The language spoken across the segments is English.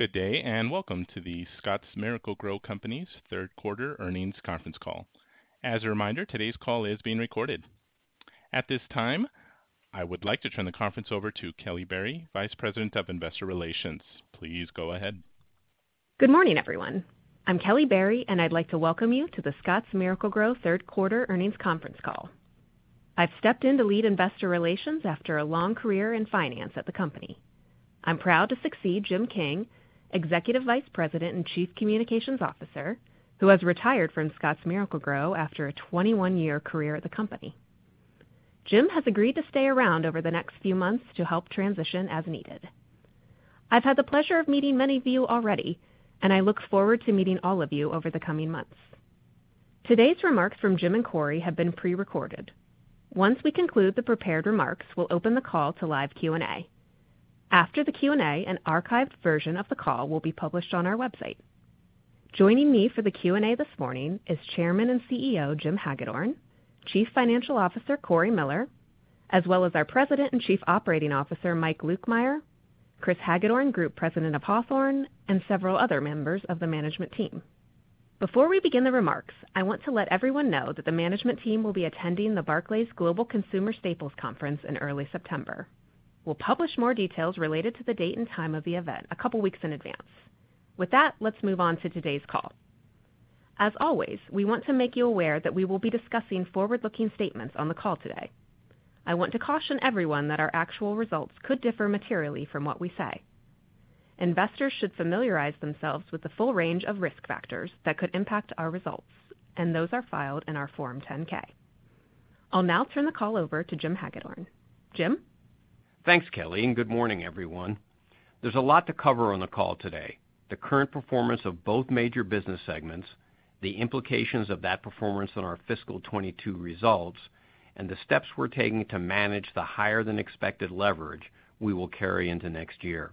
Good day, and welcome to The Scotts Miracle-Gro Company's Third Quarter Earnings Conference Call. As a reminder, today's call is being recorded. At this time, I would like to turn the conference over to Kelly Berry, Vice President of Investor Relations. Please go ahead. Good morning, everyone. I'm Kelly Berry, and I'd like to welcome you to the Scotts Miracle-Gro third quarter earnings conference call. I've stepped in to lead investor relations after a long career in finance at the company. I'm proud to succeed Jim King, Executive Vice President and Chief Communications Officer, who has retired from Scotts Miracle-Gro after a 21-year career at the company. Jim has agreed to stay around over the next few months to help transition as needed. I've had the pleasure of meeting many of you already, and I look forward to meeting all of you over the coming months. Today's remarks from Jim and Cory have been pre-recorded. Once we conclude the prepared remarks, we'll open the call to live Q&A. After the Q&A, an archived version of the call will be published on our website. Joining me for the Q&A this morning is Chairman and CEO, Jim Hagedorn, Chief Financial Officer, Cory Miller, as well as our President and Chief Operating Officer, Mike Lukemire, Chris Hagedorn, Group President of Hawthorne, and several other members of the management team. Before we begin the remarks, I want to let everyone know that the management team will be attending the Barclays Global Consumer Staples Conference in early September. We'll publish more details related to the date and time of the event a couple weeks in advance. With that, let's move on to today's call. As always, we want to make you aware that we will be discussing forward-looking statements on the call today. I want to caution everyone that our actual results could differ materially from what we say. Investors should familiarize themselves with the full range of risk factors that could impact our results, and those are filed in our Form 10-K. I'll now turn the call over to Jim Hagedorn. Jim? Thanks, Kelly, and good morning, everyone. There's a lot to cover on the call today. The current performance of both major business segments, the implications of that performance on our fiscal 2022 results, and the steps we're taking to manage the higher than expected leverage we will carry into next year.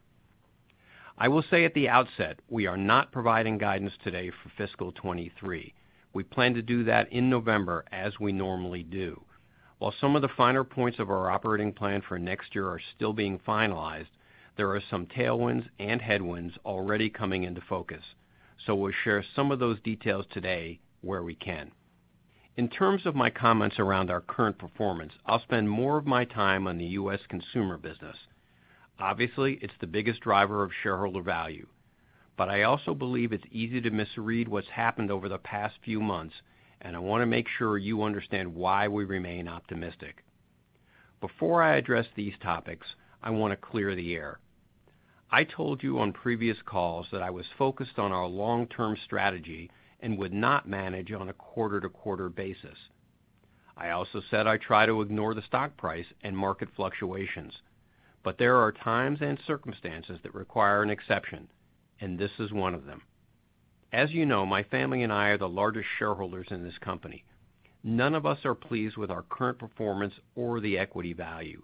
I will say at the outset, we are not providing guidance today for fiscal 2023. We plan to do that in November as we normally do. While some of the finer points of our operating plan for next year are still being finalized, there are some tailwinds and headwinds already coming into focus, so we'll share some of those details today where we can. In terms of my comments around our current performance, I'll spend more of my time on the U.S. consumer business. Obviously, it's the biggest driver of shareholder value, but I also believe it's easy to misread what's happened over the past few months, and I wanna make sure you understand why we remain optimistic. Before I address these topics, I wanna clear the air. I told you on previous calls that I was focused on our long-term strategy and would not manage on a quarter-to-quarter basis. I also said I try to ignore the stock price and market fluctuations, but there are times and circumstances that require an exception, and this is one of them. As you know, my family and I are the largest shareholders in this company. None of us are pleased with our current performance or the equity value.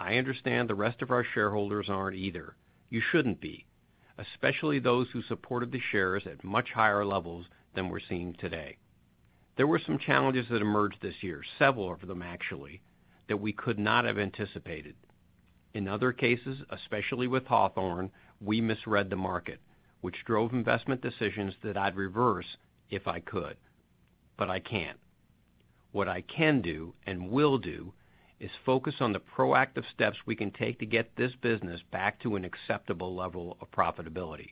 I understand the rest of our shareholders aren't either. You shouldn't be, especially those who supported the shares at much higher levels than we're seeing today. There were some challenges that emerged this year, several of them actually, that we could not have anticipated. In other cases, especially with Hawthorne, we misread the market, which drove investment decisions that I'd reverse if I could, but I can't. What I can do and will do is focus on the proactive steps we can take to get this business back to an acceptable level of profitability.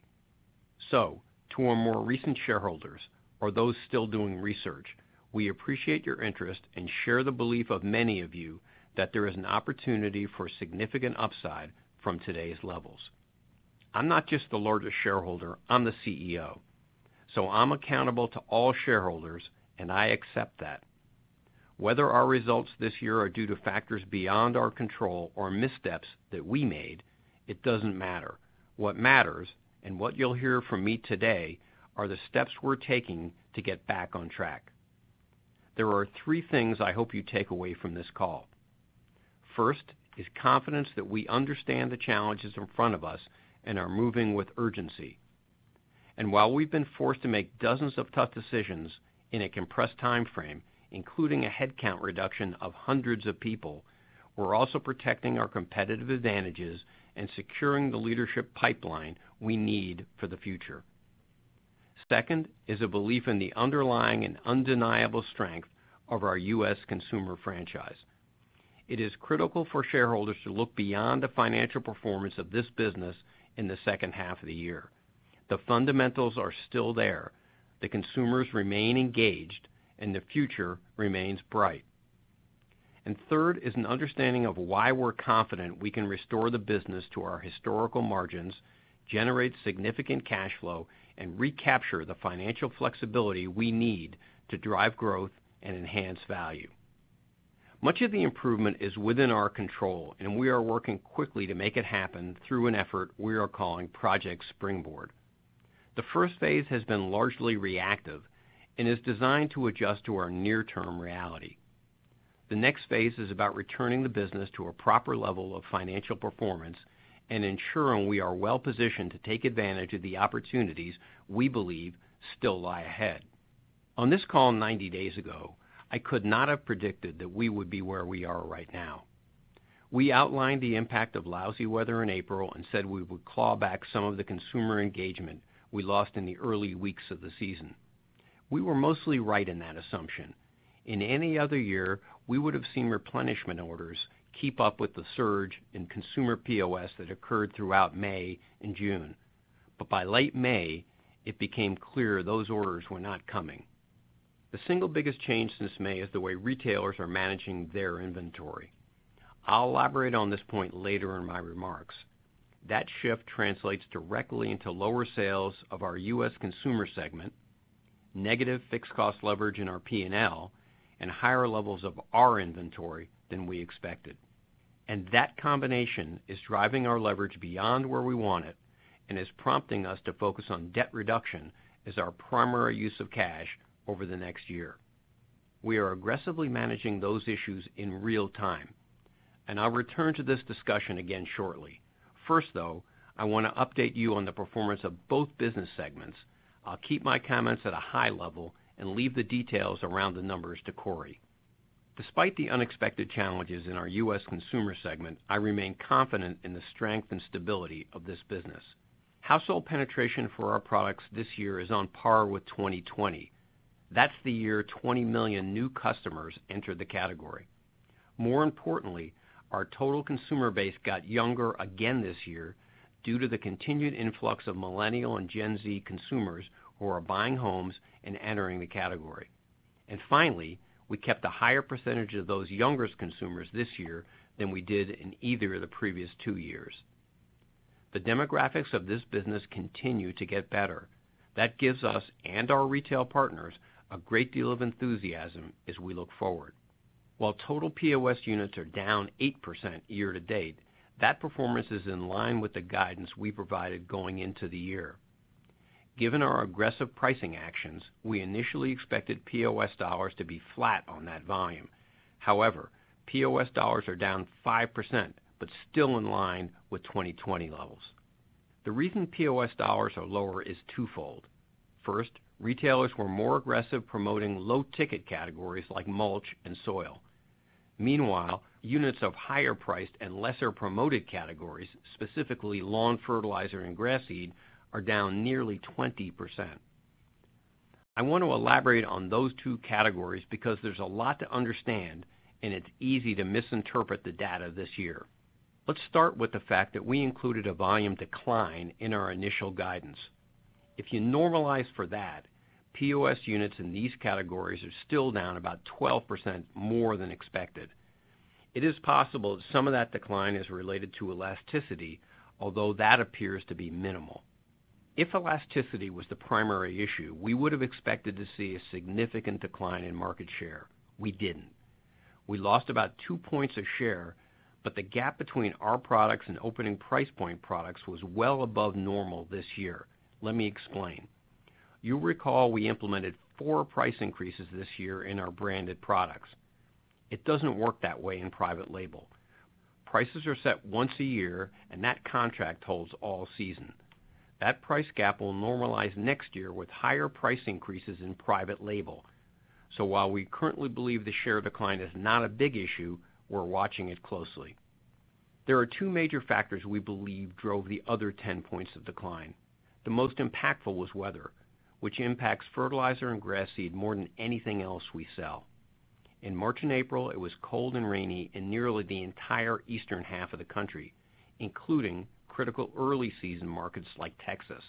To our more recent shareholders or those still doing research, we appreciate your interest and share the belief of many of you that there is an opportunity for significant upside from today's levels. I'm not just the largest shareholder, I'm the CEO, so I'm accountable to all shareholders, and I accept that. Whether our results this year are due to factors beyond our control or missteps that we made, it doesn't matter. What matters and what you'll hear from me today are the steps we're taking to get back on track. There are three things I hope you take away from this call. First is confidence that we understand the challenges in front of us and are moving with urgency. While we've been forced to make dozens of tough decisions in a compressed timeframe, including a headcount reduction of hundreds of people, we're also protecting our competitive advantages and securing the leadership pipeline we need for the future. Second is a belief in the underlying and undeniable strength of our U.S. consumer franchise. It is critical for shareholders to look beyond the financial performance of this business in the second half of the year. The fundamentals are still there. The consumers remain engaged, and the future remains bright. Third is an understanding of why we're confident we can restore the business to our historical margins, generate significant cash flow, and recapture the financial flexibility we need to drive growth and enhance value. Much of the improvement is within our control, and we are working quickly to make it happen through an effort we are calling Project Springboard. The first phase has been largely reactive and is designed to adjust to our near-term reality. The next phase is about returning the business to a proper level of financial performance and ensuring we are well positioned to take advantage of the opportunities we believe still lie ahead. On this call 90 days ago, I could not have predicted that we would be where we are right now. We outlined the impact of lousy weather in April and said we would claw back some of the consumer engagement we lost in the early weeks of the season. We were mostly right in that assumption. In any other year, we would have seen replenishment orders keep up with the surge in consumer POS that occurred throughout May and June. By late May, it became clear those orders were not coming. The single biggest change since May is the way retailers are managing their inventory. I'll elaborate on this point later in my remarks. That shift translates directly into lower sales of our U.S. consumer segment, negative fixed cost leverage in our P&L, and higher levels of our inventory than we expected. That combination is driving our leverage beyond where we want it and is prompting us to focus on debt reduction as our primary use of cash over the next year. We are aggressively managing those issues in real time, and I'll return to this discussion again shortly. First, though, I want to update you on the performance of both business segments. I'll keep my comments at a high level and leave the details around the numbers to Cory. Despite the unexpected challenges in our U.S. consumer segment, I remain confident in the strength and stability of this business. Household penetration for our products this year is on par with 2020. That's the year 20 million new customers entered the category. More importantly, our total consumer base got younger again this year due to the continued influx of Millennial and Gen Z consumers who are buying homes and entering the category. Finally, we kept a higher percentage of those younger consumers this year than we did in either of the previous two years. The demographics of this business continue to get better. That gives us and our retail partners a great deal of enthusiasm as we look forward. While total POS units are down 8% year to date, that performance is in line with the guidance we provided going into the year. Given our aggressive pricing actions, we initially expected POS dollars to be flat on that volume. However, POS dollars are down 5%, but still in line with 2020 levels. The reason POS dollars are lower is twofold. First, retailers were more aggressive promoting low ticket categories like mulch and soil. Meanwhile, units of higher priced and lesser promoted categories, specifically lawn fertilizer and grass seed, are down nearly 20%. I want to elaborate on those two categories because there's a lot to understand and it's easy to misinterpret the data this year. Let's start with the fact that we included a volume decline in our initial guidance. If you normalize for that, POS units in these categories are still down about 12% more than expected. It is possible some of that decline is related to elasticity, although that appears to be minimal. If elasticity was the primary issue, we would have expected to see a significant decline in market share. We didn't. We lost about 2 points a share, but the gap between our products and opening price point products was well above normal this year. Let me explain. You recall we implemented four price increases this year in our branded products. It doesn't work that way in private label. Prices are set once a year and that contract holds all season. That price gap will normalize next year with higher price increases in private label. While we currently believe the share decline is not a big issue, we're watching it closely. There are two major factors we believe drove the other 10 points of decline. The most impactful was weather, which impacts fertilizer and grass seed more than anything else we sell. In March and April, it was cold and rainy in nearly the entire eastern half of the country, including critical early season markets like Texas.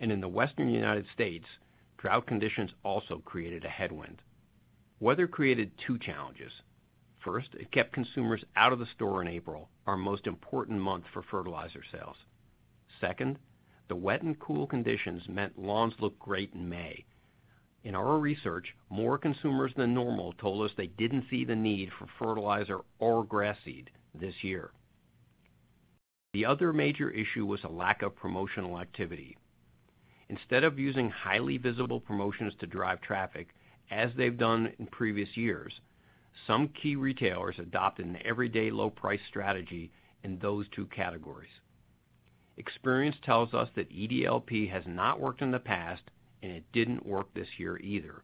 In the western United States, drought conditions also created a headwind. Weather created two challenges. First, it kept consumers out of the store in April, our most important month for fertilizer sales. Second, the wet and cool conditions meant lawns looked great in May. In our research, more consumers than normal told us they didn't see the need for fertilizer or grass seed this year. The other major issue was a lack of promotional activity. Instead of using highly visible promotions to drive traffic, as they've done in previous years, some key retailers adopted an everyday low price strategy in those two categories. Experience tells us that EDLP has not worked in the past, and it didn't work this year either.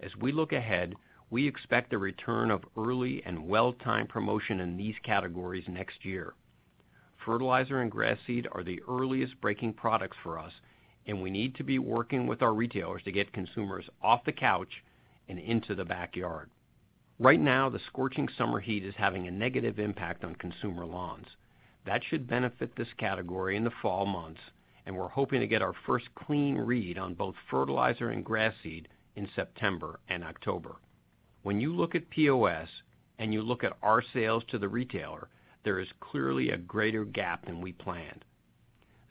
As we look ahead, we expect a return of early and well-timed promotion in these categories next year. Fertilizer and grass seed are the earliest breaking products for us, and we need to be working with our retailers to get consumers off the couch and into the backyard. Right now, the scorching summer heat is having a negative impact on consumer lawns. That should benefit this category in the fall months, and we're hoping to get our first clean read on both fertilizer and grass seed in September and October. When you look at POS and you look at our sales to the retailer, there is clearly a greater gap than we planned.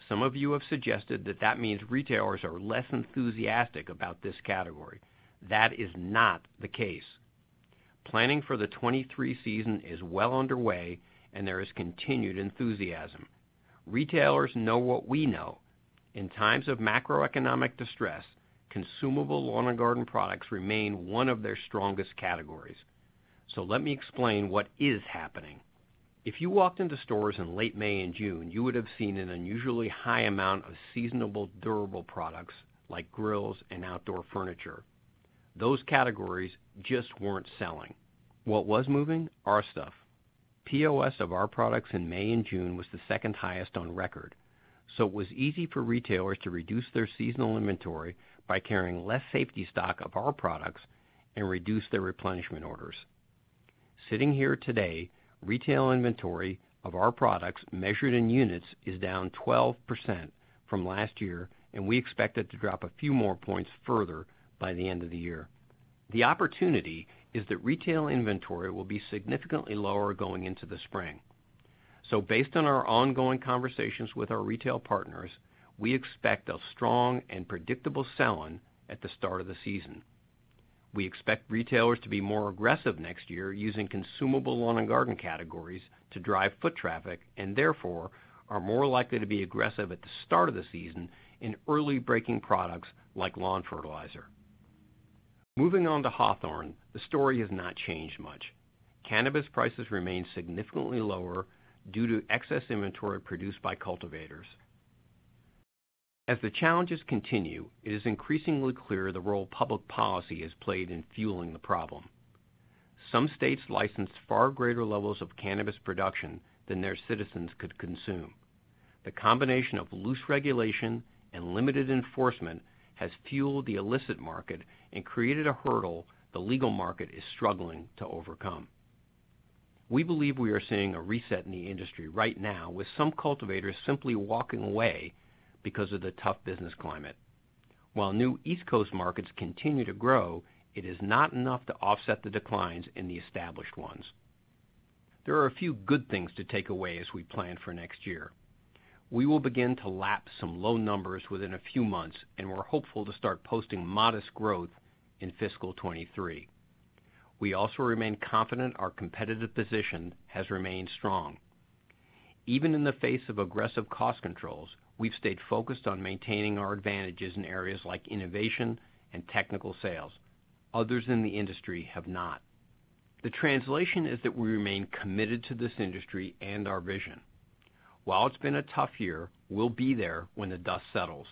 Some of you have suggested that that means retailers are less enthusiastic about this category. That is not the case. Planning for the 2023 season is well underway, and there is continued enthusiasm. Retailers know what we know. In times of macroeconomic distress, consumable lawn and garden products remain one of their strongest categories. Let me explain what is happening. If you walked into stores in late May and June, you would have seen an unusually high amount of seasonable durable products like grills and outdoor furniture. Those categories just weren't selling. What was moving? Our stuff. POS of our products in May and June was the second highest on record. It was easy for retailers to reduce their seasonal inventory by carrying less safety stock of our products and reduce their replenishment orders. Sitting here today, retail inventory of our products measured in units is down 12% from last year, and we expect it to drop a few more points further by the end of the year. The opportunity is that retail inventory will be significantly lower going into the spring. Based on our ongoing conversations with our retail partners, we expect a strong and predictable sell-in at the start of the season. We expect retailers to be more aggressive next year using consumable lawn and garden categories to drive foot traffic, and therefore are more likely to be aggressive at the start of the season in early breaking products like lawn fertilizer. Moving on to Hawthorne, the story has not changed much. Cannabis prices remain significantly lower due to excess inventory produced by cultivators. As the challenges continue, it is increasingly clear the role public policy has played in fueling the problem. Some states licensed far greater levels of cannabis production than their citizens could consume. The combination of loose regulation and limited enforcement has fueled the illicit market and created a hurdle the legal market is struggling to overcome. We believe we are seeing a reset in the industry right now, with some cultivators simply walking away because of the tough business climate. While new East Coast markets continue to grow, it is not enough to offset the declines in the established ones. There are a few good things to take away as we plan for next year. We will begin to lap some low numbers within a few months, and we're hopeful to start posting modest growth in fiscal 2023. We also remain confident our competitive position has remained strong. Even in the face of aggressive cost controls, we've stayed focused on maintaining our advantages in areas like innovation and technical sales. Others in the industry have not. The translation is that we remain committed to this industry and our vision. While it's been a tough year, we'll be there when the dust settles.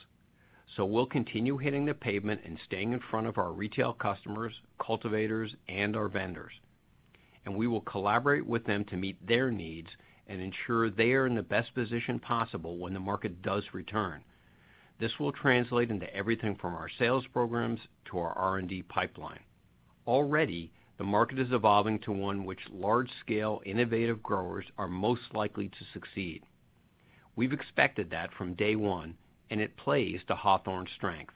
We'll continue hitting the pavement and staying in front of our retail customers, cultivators, and our vendors, and we will collaborate with them to meet their needs and ensure they are in the best position possible when the market does return. This will translate into everything from our sales programs to our R&D pipeline. Already, the market is evolving to one which large-scale innovative growers are most likely to succeed. We've expected that from day one, and it plays to Hawthorne's strength.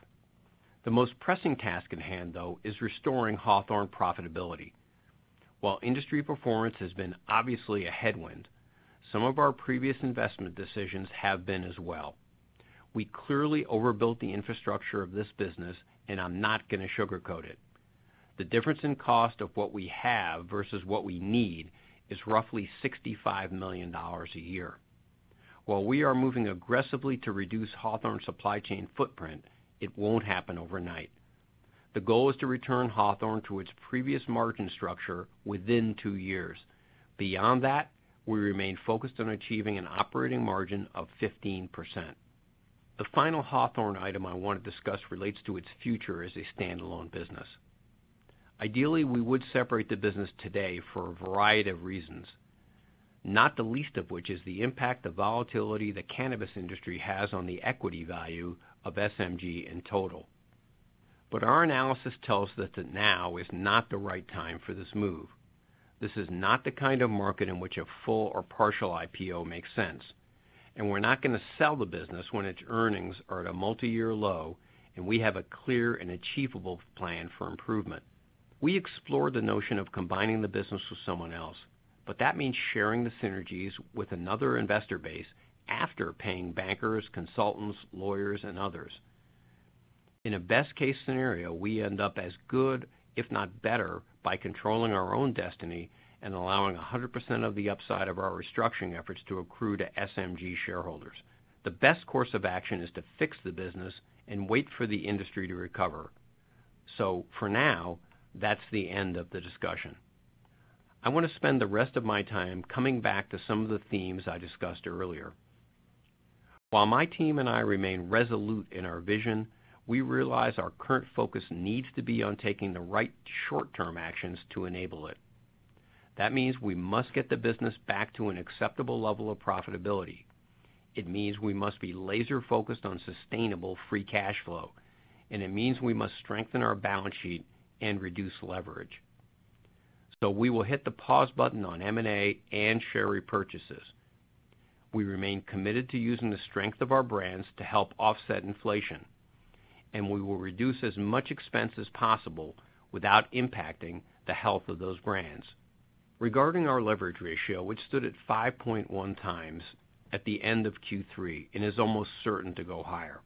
The most pressing task in hand, though, is restoring Hawthorne profitability. While industry performance has been obviously a headwind, some of our previous investment decisions have been as well. We clearly overbuilt the infrastructure of this business, and I'm not going to sugarcoat it. The difference in cost of what we have versus what we need is roughly $65 million a year. While we are moving aggressively to reduce Hawthorne's supply chain footprint, it won't happen overnight. The goal is to return Hawthorne to its previous margin structure within two years. Beyond that, we remain focused on achieving an operating margin of 15%. The final Hawthorne item I want to discuss relates to its future as a standalone business. Ideally, we would separate the business today for a variety of reasons, not the least of which is the impact that the volatility of the cannabis industry has on the equity value of SMG in total. Our analysis tells us that now is not the right time for this move. This is not the kind of market in which a full or partial IPO makes sense. We're not going to sell the business when its earnings are at a multi-year low and we have a clear and achievable plan for improvement. We explore the notion of combining the business with someone else, but that means sharing the synergies with another investor base after paying bankers, consultants, lawyers, and others. In a best-case scenario, we end up as good, if not better, by controlling our own destiny and allowing 100% of the upside of our restructuring efforts to accrue to SMG shareholders. The best course of action is to fix the business and wait for the industry to recover. For now, that's the end of the discussion. I want to spend the rest of my time coming back to some of the themes I discussed earlier. While my team and I remain resolute in our vision, we realize our current focus needs to be on taking the right short-term actions to enable it. That means we must get the business back to an acceptable level of profitability. It means we must be laser-focused on sustainable free cash flow. It means we must strengthen our balance sheet and reduce leverage. We will hit the pause button on M&A and share repurchases. We remain committed to using the strength of our brands to help offset inflation, and we will reduce as much expense as possible without impacting the health of those brands. Regarding our leverage ratio, which stood at 5.1x at the end of Q3 and is almost certain to go higher.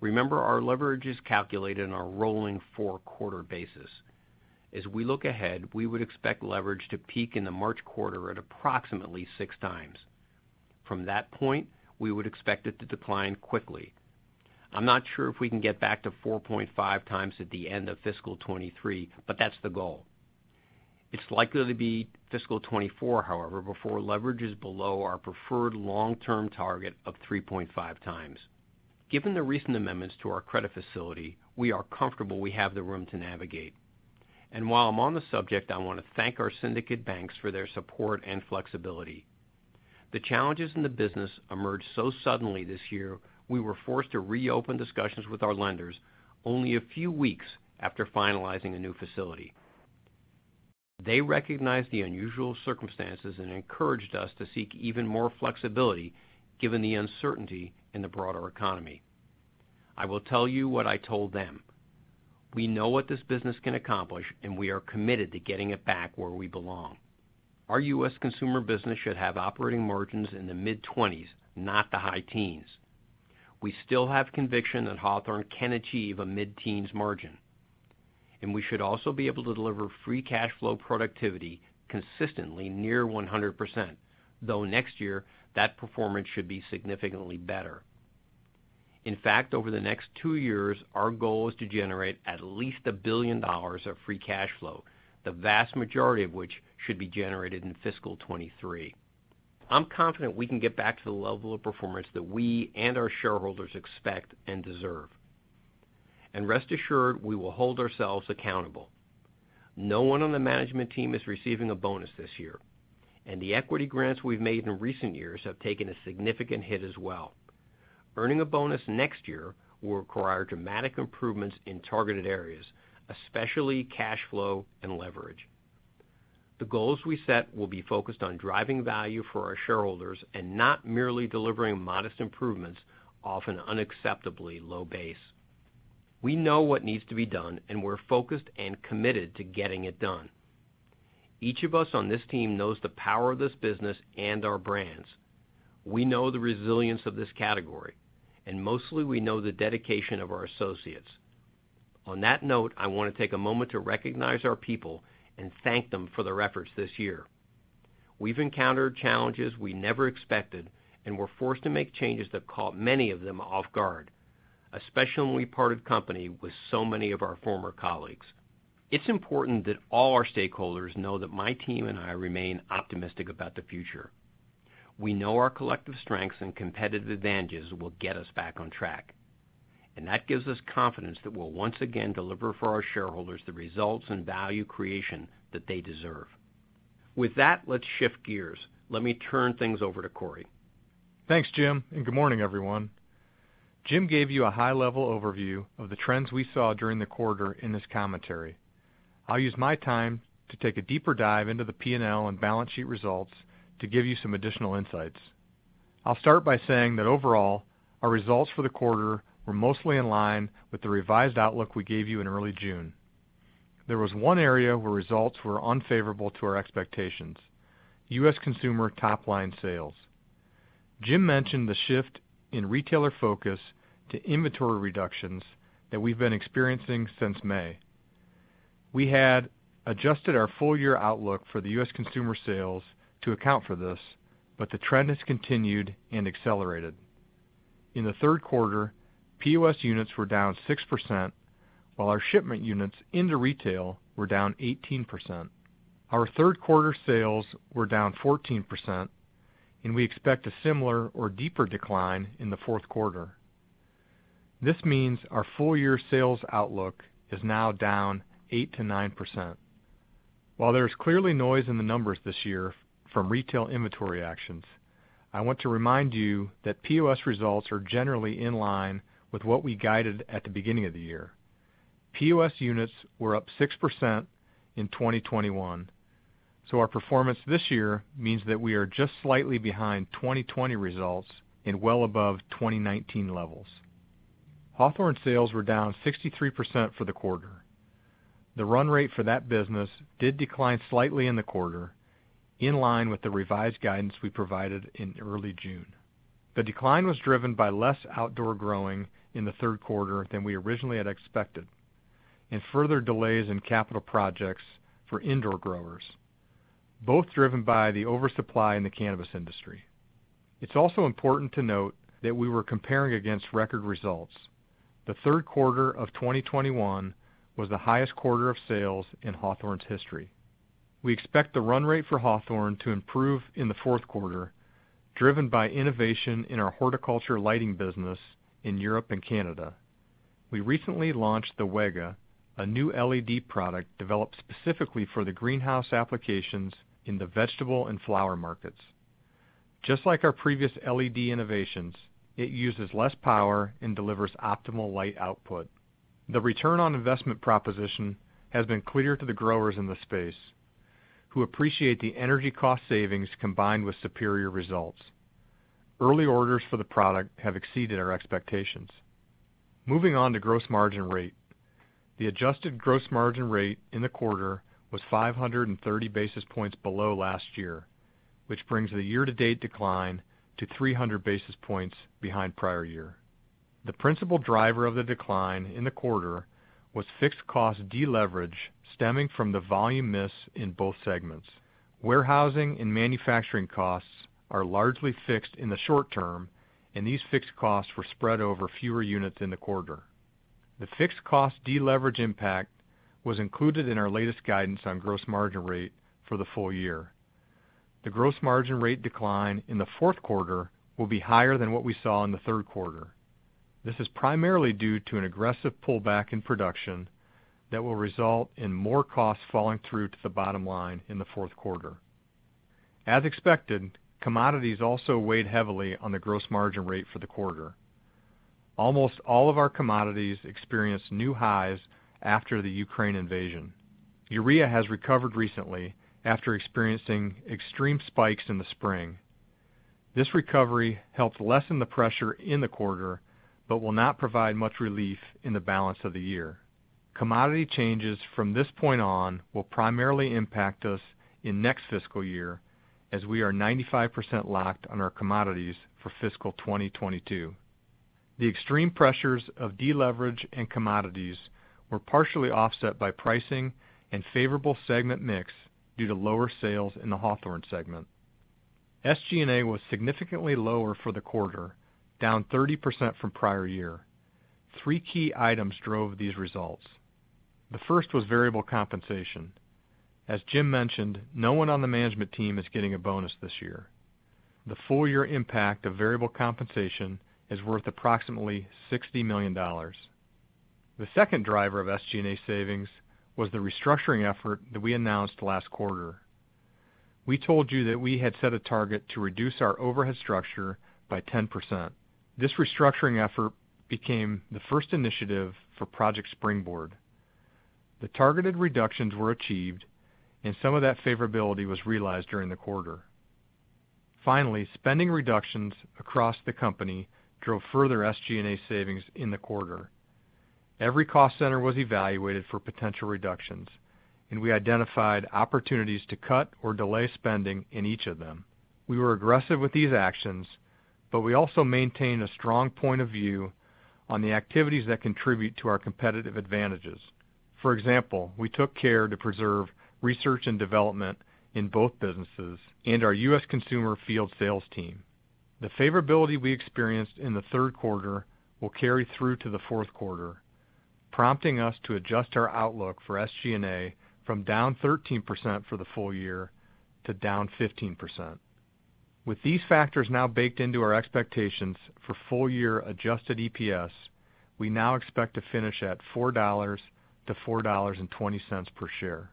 Remember, our leverage is calculated on a rolling four-quarter basis. As we look ahead, we would expect leverage to peak in the March quarter at approximately 6x. From that point, we would expect it to decline quickly. I'm not sure if we can get back to 4.5x at the end of fiscal 2023, but that's the goal. It's likely to be fiscal 2024, however, before leverage is below our preferred long-term target of 3.5x. Given the recent amendments to our credit facility, we are comfortable we have the room to navigate. While I'm on the subject, I wanna thank our syndicate banks for their support and flexibility. The challenges in the business emerged so suddenly this year, we were forced to reopen discussions with our lenders only a few weeks after finalizing a new facility. They recognized the unusual circumstances and encouraged us to seek even more flexibility given the uncertainty in the broader economy. I will tell you what I told them. We know what this business can accomplish, and we are committed to getting it back where we belong. Our U.S. consumer business should have operating margins in the mid-20s, not the high teens%. We still have conviction that Hawthorne can achieve a mid-teens margin, and we should also be able to deliver free cash flow productivity consistently near 100%, though next year that performance should be significantly better. In fact, over the next two years, our goal is to generate at least $1 billion of free cash flow, the vast majority of which should be generated in fiscal 2023. I'm confident we can get back to the level of performance that we and our shareholders expect and deserve. Rest assured, we will hold ourselves accountable. No one on the management team is receiving a bonus this year, and the equity grants we've made in recent years have taken a significant hit as well. Earning a bonus next year will require dramatic improvements in targeted areas, especially cash flow and leverage. The goals we set will be focused on driving value for our shareholders and not merely delivering modest improvements off an unacceptably low base. We know what needs to be done, and we're focused and committed to getting it done. Each of us on this team knows the power of this business and our brands. We know the resilience of this category, and mostly we know the dedication of our associates. On that note, I wanna take a moment to recognize our people and thank them for their efforts this year. We've encountered challenges we never expected, and we're forced to make changes that caught many of them off guard, especially when we parted company with so many of our former colleagues. It's important that all our stakeholders know that my team and I remain optimistic about the future. We know our collective strengths and competitive advantages will get us back on track, and that gives us confidence that we'll once again deliver for our shareholders the results and value creation that they deserve. With that, let's shift gears. Let me turn things over to Cory. Thanks, Jim, and good morning, everyone. Jim gave you a high-level overview of the trends we saw during the quarter in his commentary. I'll use my time to take a deeper dive into the P&L and balance sheet results to give you some additional insights. I'll start by saying that overall, our results for the quarter were mostly in line with the revised outlook we gave you in early June. There was one area where results were unfavorable to our expectations, U.S. consumer top-line sales. Jim mentioned the shift in retailer focus to inventory reductions that we've been experiencing since May. We had adjusted our full year outlook for the U.S. consumer sales to account for this, but the trend has continued and accelerated. In the third quarter, POS units were down 6%, while our shipment units into retail were down 18%. Our third quarter sales were down 14%, and we expect a similar or deeper decline in the fourth quarter. This means our full year sales outlook is now down 8%-9%. While there's clearly noise in the numbers this year from retail inventory actions, I want to remind you that POS results are generally in line with what we guided at the beginning of the year. POS units were up 6% in 2021, so our performance this year means that we are just slightly behind 2020 results and well above 2019 levels. Hawthorne sales were down 63% for the quarter. The run rate for that business did decline slightly in the quarter, in line with the revised guidance we provided in early June. The decline was driven by less outdoor growing in the third quarter than we originally had expected and further delays in capital projects for indoor growers, both driven by the oversupply in the cannabis industry. It's also important to note that we were comparing against record results. The third quarter of 2021 was the highest quarter of sales in Hawthorne's history. We expect the run rate for Hawthorne to improve in the fourth quarter, driven by innovation in our horticulture lighting business in Europe and Canada. We recently launched the WEGA, a new LED product developed specifically for the greenhouse applications in the vegetable and flower markets. Just like our previous LED innovations, it uses less power and delivers optimal light output. The return on investment proposition has been clear to the growers in the space, who appreciate the energy cost savings combined with superior results. Early orders for the product have exceeded our expectations. Moving on to gross margin rate. The adjusted gross margin rate in the quarter was 530 basis points below last year, which brings the year-to-date decline to 300 basis points behind prior year. The principal driver of the decline in the quarter was fixed cost deleverage stemming from the volume miss in both segments. Warehousing and manufacturing costs are largely fixed in the short term, and these fixed costs were spread over fewer units in the quarter. The fixed cost deleverage impact was included in our latest guidance on gross margin rate for the full year. The gross margin rate decline in the fourth quarter will be higher than what we saw in the third quarter. This is primarily due to an aggressive pullback in production that will result in more costs falling through to the bottom line in the fourth quarter. As expected, commodities also weighed heavily on the gross margin rate for the quarter. Almost all of our commodities experienced new highs after the Ukraine invasion. Urea has recovered recently after experiencing extreme spikes in the spring. This recovery helped lessen the pressure in the quarter, but will not provide much relief in the balance of the year. Commodity changes from this point on will primarily impact us in next fiscal year as we are 95% locked on our commodities for fiscal 2022. The extreme pressures of deleverage and commodities were partially offset by pricing and favorable segment mix due to lower sales in the Hawthorne segment. SG&A was significantly lower for the quarter, down 30% from prior year. Three key items drove these results. The first was variable compensation. As Jim mentioned, no one on the management team is getting a bonus this year. The full year impact of variable compensation is worth approximately $60 million. The second driver of SG&A savings was the restructuring effort that we announced last quarter. We told you that we had set a target to reduce our overhead structure by 10%. This restructuring effort became the first initiative for Project Springboard. The targeted reductions were achieved and some of that favorability was realized during the quarter. Finally, spending reductions across the company drove further SG&A savings in the quarter. Every cost center was evaluated for potential reductions, and we identified opportunities to cut or delay spending in each of them. We were aggressive with these actions, but we also maintain a strong point of view on the activities that contribute to our competitive advantages. For example, we took care to preserve research and development in both businesses and our U.S. consumer field sales team. The favorability we experienced in the third quarter will carry through to the fourth quarter, prompting us to adjust our outlook for SG&A from down 13% for the full year to down 15%. With these factors now baked into our expectations for full year adjusted EPS, we now expect to finish at $4-$4.20 per share.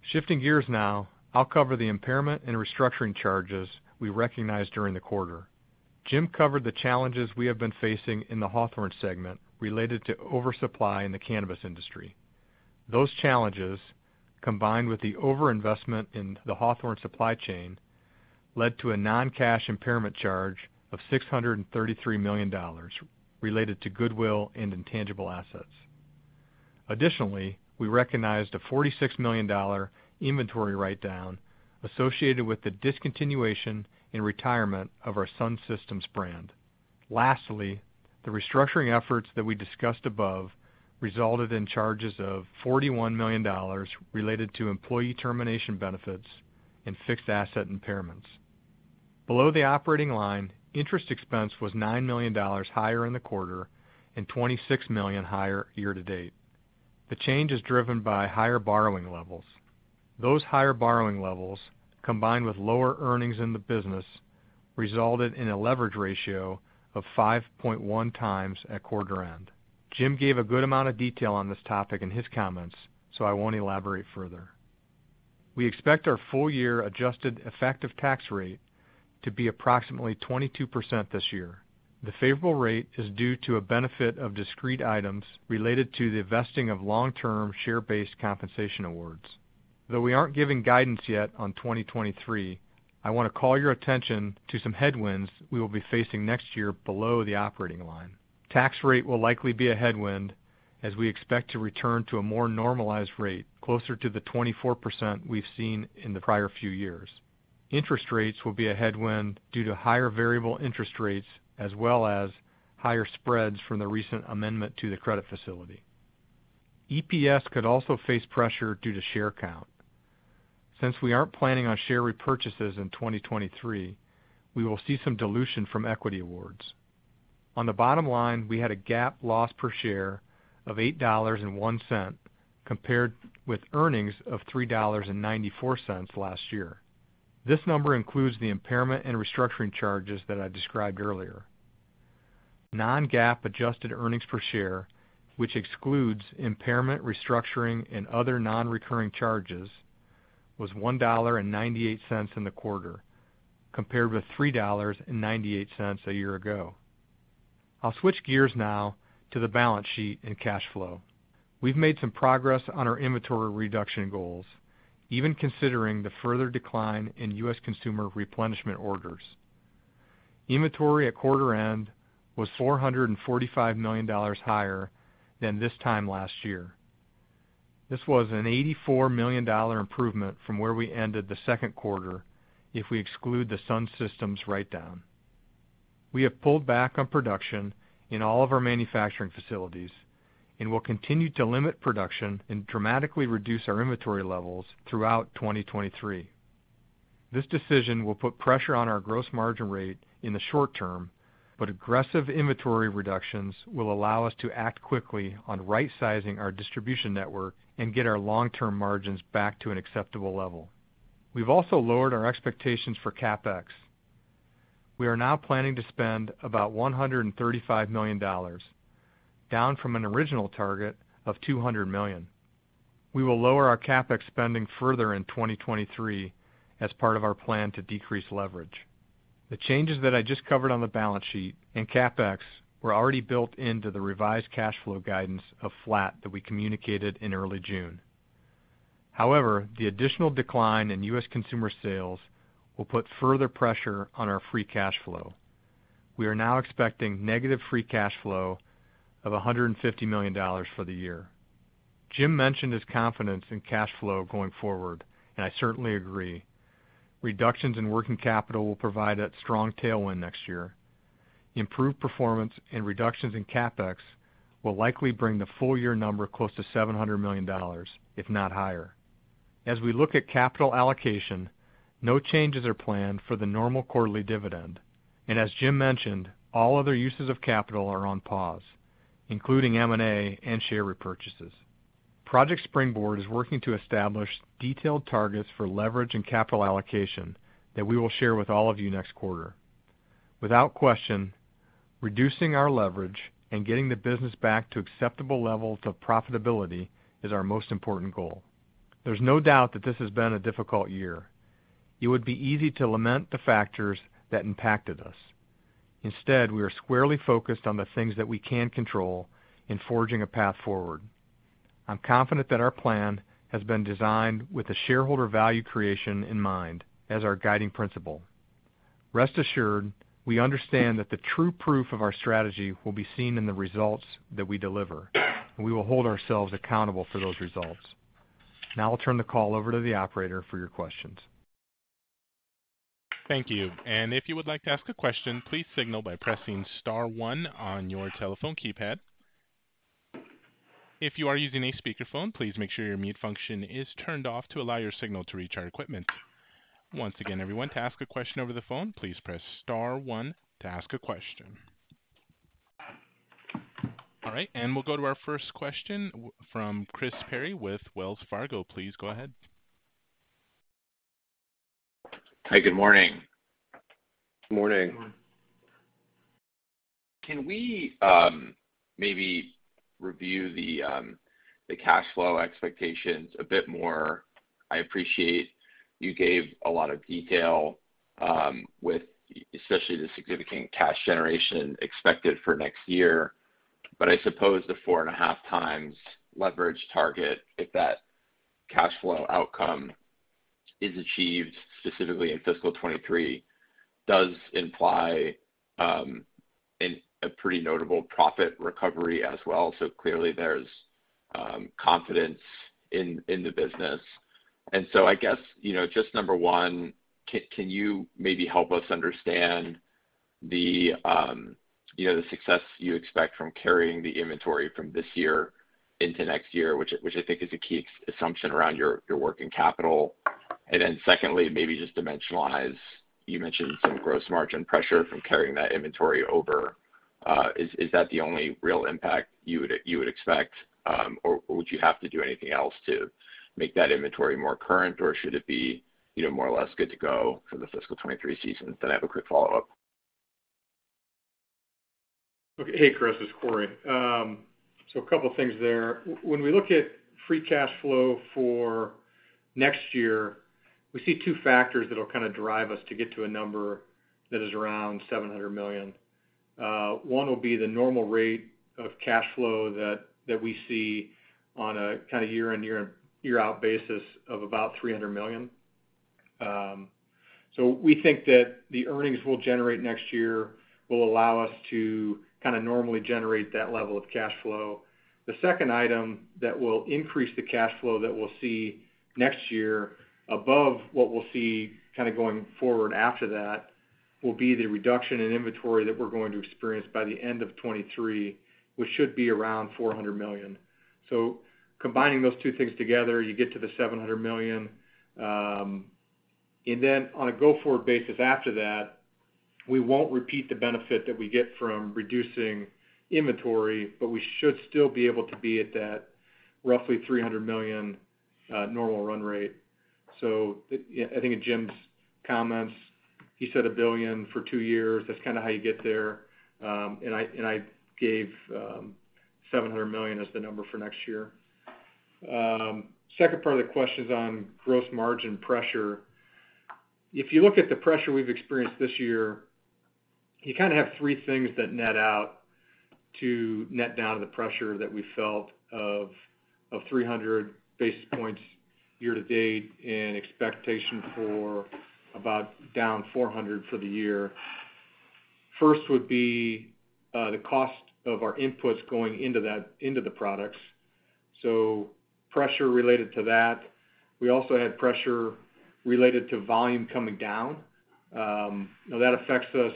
Shifting gears now, I'll cover the impairment and restructuring charges we recognized during the quarter. Jim covered the challenges we have been facing in the Hawthorne segment related to oversupply in the cannabis industry. Those challenges, combined with the overinvestment in the Hawthorne supply chain, led to a non-cash impairment charge of $633 million related to goodwill and intangible assets. Additionally, we recognized a $46 million inventory write down associated with the discontinuation and retirement of our Sun Systems brand. Lastly, the restructuring efforts that we discussed above resulted in charges of $41 million related to employee termination benefits and fixed asset impairments. Below the operating line, interest expense was $9 million higher in the quarter and $26 million higher year to date. The change is driven by higher borrowing levels. Those higher borrowing levels, combined with lower earnings in the business, resulted in a leverage ratio of 5.1x at quarter end. Jim gave a good amount of detail on this topic in his comments, so I won't elaborate further. We expect our full year adjusted effective tax rate to be approximately 22% this year. The favorable rate is due to a benefit of discrete items related to the vesting of long-term share-based compensation awards. Though we aren't giving guidance yet on 2023, I want to call your attention to some headwinds we will be facing next year below the operating line. Tax rate will likely be a headwind as we expect to return to a more normalized rate closer to the 24% we've seen in the prior few years. Interest rates will be a headwind due to higher variable interest rates as well as higher spreads from the recent amendment to the credit facility. EPS could also face pressure due to share count. Since we aren't planning on share repurchases in 2023, we will see some dilution from equity awards. On the bottom line, we had a GAAP loss per share of $8.01, compared with earnings of $3.94 last year. This number includes the impairment and restructuring charges that I described earlier. Non-GAAP adjusted earnings per share, which excludes impairment, restructuring, and other non-recurring charges, was $1.98 in the quarter, compared with $3.98 a year ago. I'll switch gears now to the balance sheet and cash flow. We've made some progress on our inventory reduction goals, even considering the further decline in U.S. consumer replenishment orders. Inventory at quarter end was $445 million higher than this time last year. This was an $84 million improvement from where we ended the second quarter if we exclude the Sun Systems write down. We have pulled back on production in all of our manufacturing facilities and will continue to limit production and dramatically reduce our inventory levels throughout 2023. This decision will put pressure on our gross margin rate in the short term, but aggressive inventory reductions will allow us to act quickly on rightsizing our distribution network and get our long-term margins back to an acceptable level. We've also lowered our expectations for CapEx. We are now planning to spend about $135 million, down from an original target of $200 million. We will lower our CapEx spending further in 2023 as part of our plan to decrease leverage. The changes that I just covered on the balance sheet and CapEx were already built into the revised cash flow guidance of flat that we communicated in early June. However, the additional decline in U.S. consumer sales will put further pressure on our free cash flow. We are now expecting negative free cash flow of $150 million for the year. Jim mentioned his confidence in cash flow going forward, and I certainly agree. Reductions in working capital will provide that strong tailwind next year. Improved performance and reductions in CapEx will likely bring the full year number close to $700 million, if not higher. As we look at capital allocation, no changes are planned for the normal quarterly dividend, and as Jim mentioned, all other uses of capital are on pause, including M&A and share repurchases. Project Springboard is working to establish detailed targets for leverage and capital allocation that we will share with all of you next quarter. Without question, reducing our leverage and getting the business back to acceptable levels of profitability is our most important goal. There's no doubt that this has been a difficult year. It would be easy to lament the factors that impacted us. Instead, we are squarely focused on the things that we can control in forging a path forward. I'm confident that our plan has been designed with the shareholder value creation in mind as our guiding principle. Rest assured, we understand that the true proof of our strategy will be seen in the results that we deliver, and we will hold ourselves accountable for those results. Now I'll turn the call over to the operator for your questions. Thank you. If you would like to ask a question, please signal by pressing star one on your telephone keypad. If you are using a speakerphone, please make sure your mute function is turned off to allow your signal to reach our equipment. Once again, everyone, to ask a question over the phone, please press star one to ask a question. All right, we'll go to our first question from Chris Carey with Wells Fargo. Please go ahead. Hi. Good morning. Good morning. Good morning. Can we maybe review the cash flow expectations a bit more? I appreciate you gave a lot of detail with especially the significant cash generation expected for next year, but I suppose the 4.5x leverage target, if that cash flow outcome is achieved specifically in fiscal 2023, does imply a pretty notable profit recovery as well. Clearly, there's confidence in the business. I guess, you know, just number one, can you maybe help us understand the success you expect from carrying the inventory from this year into next year, which I think is a key assumption around your working capital. Secondly, maybe just dimensionalize. You mentioned some gross margin pressure from carrying that inventory over. Is that the only real impact you would expect, or would you have to do anything else to make that inventory more current, or should it be, you know, more or less good to go for the fiscal 2023 season? I have a quick follow-up. Okay. Hey, Chris. It's Cory. A couple things there. When we look at free cash flow for next year, we see two factors that'll kind of drive us to get to a number that is around $700 million. One will be the normal rate of cash flow that we see on a kind of year in, year-out basis of about $300 million. We think that the earnings we'll generate next year will allow us to kind of normally generate that level of cash flow. The second item that will increase the cash flow that we'll see next year above what we'll see kind of going forward after that, will be the reduction in inventory that we're going to experience by the end of 2023, which should be around $400 million. Combining those two things together, you get to the $700 million. On a go-forward basis after that, we won't repeat the benefit that we get from reducing inventory, but we should still be able to be at that roughly $300 million normal run rate. I think in Jim's comments, he said $1 billion for two years. That's kind of how you get there. I gave $700 million as the number for next year. Second part of the question is on gross margin pressure. If you look at the pressure we've experienced this year, you kind of have three things that net out to net down the pressure that we felt of 300 basis points year to date and expectation for about down 400 for the year. First would be the cost of our inputs going into the products. Pressure related to that. We also had pressure related to volume coming down. Now that affects us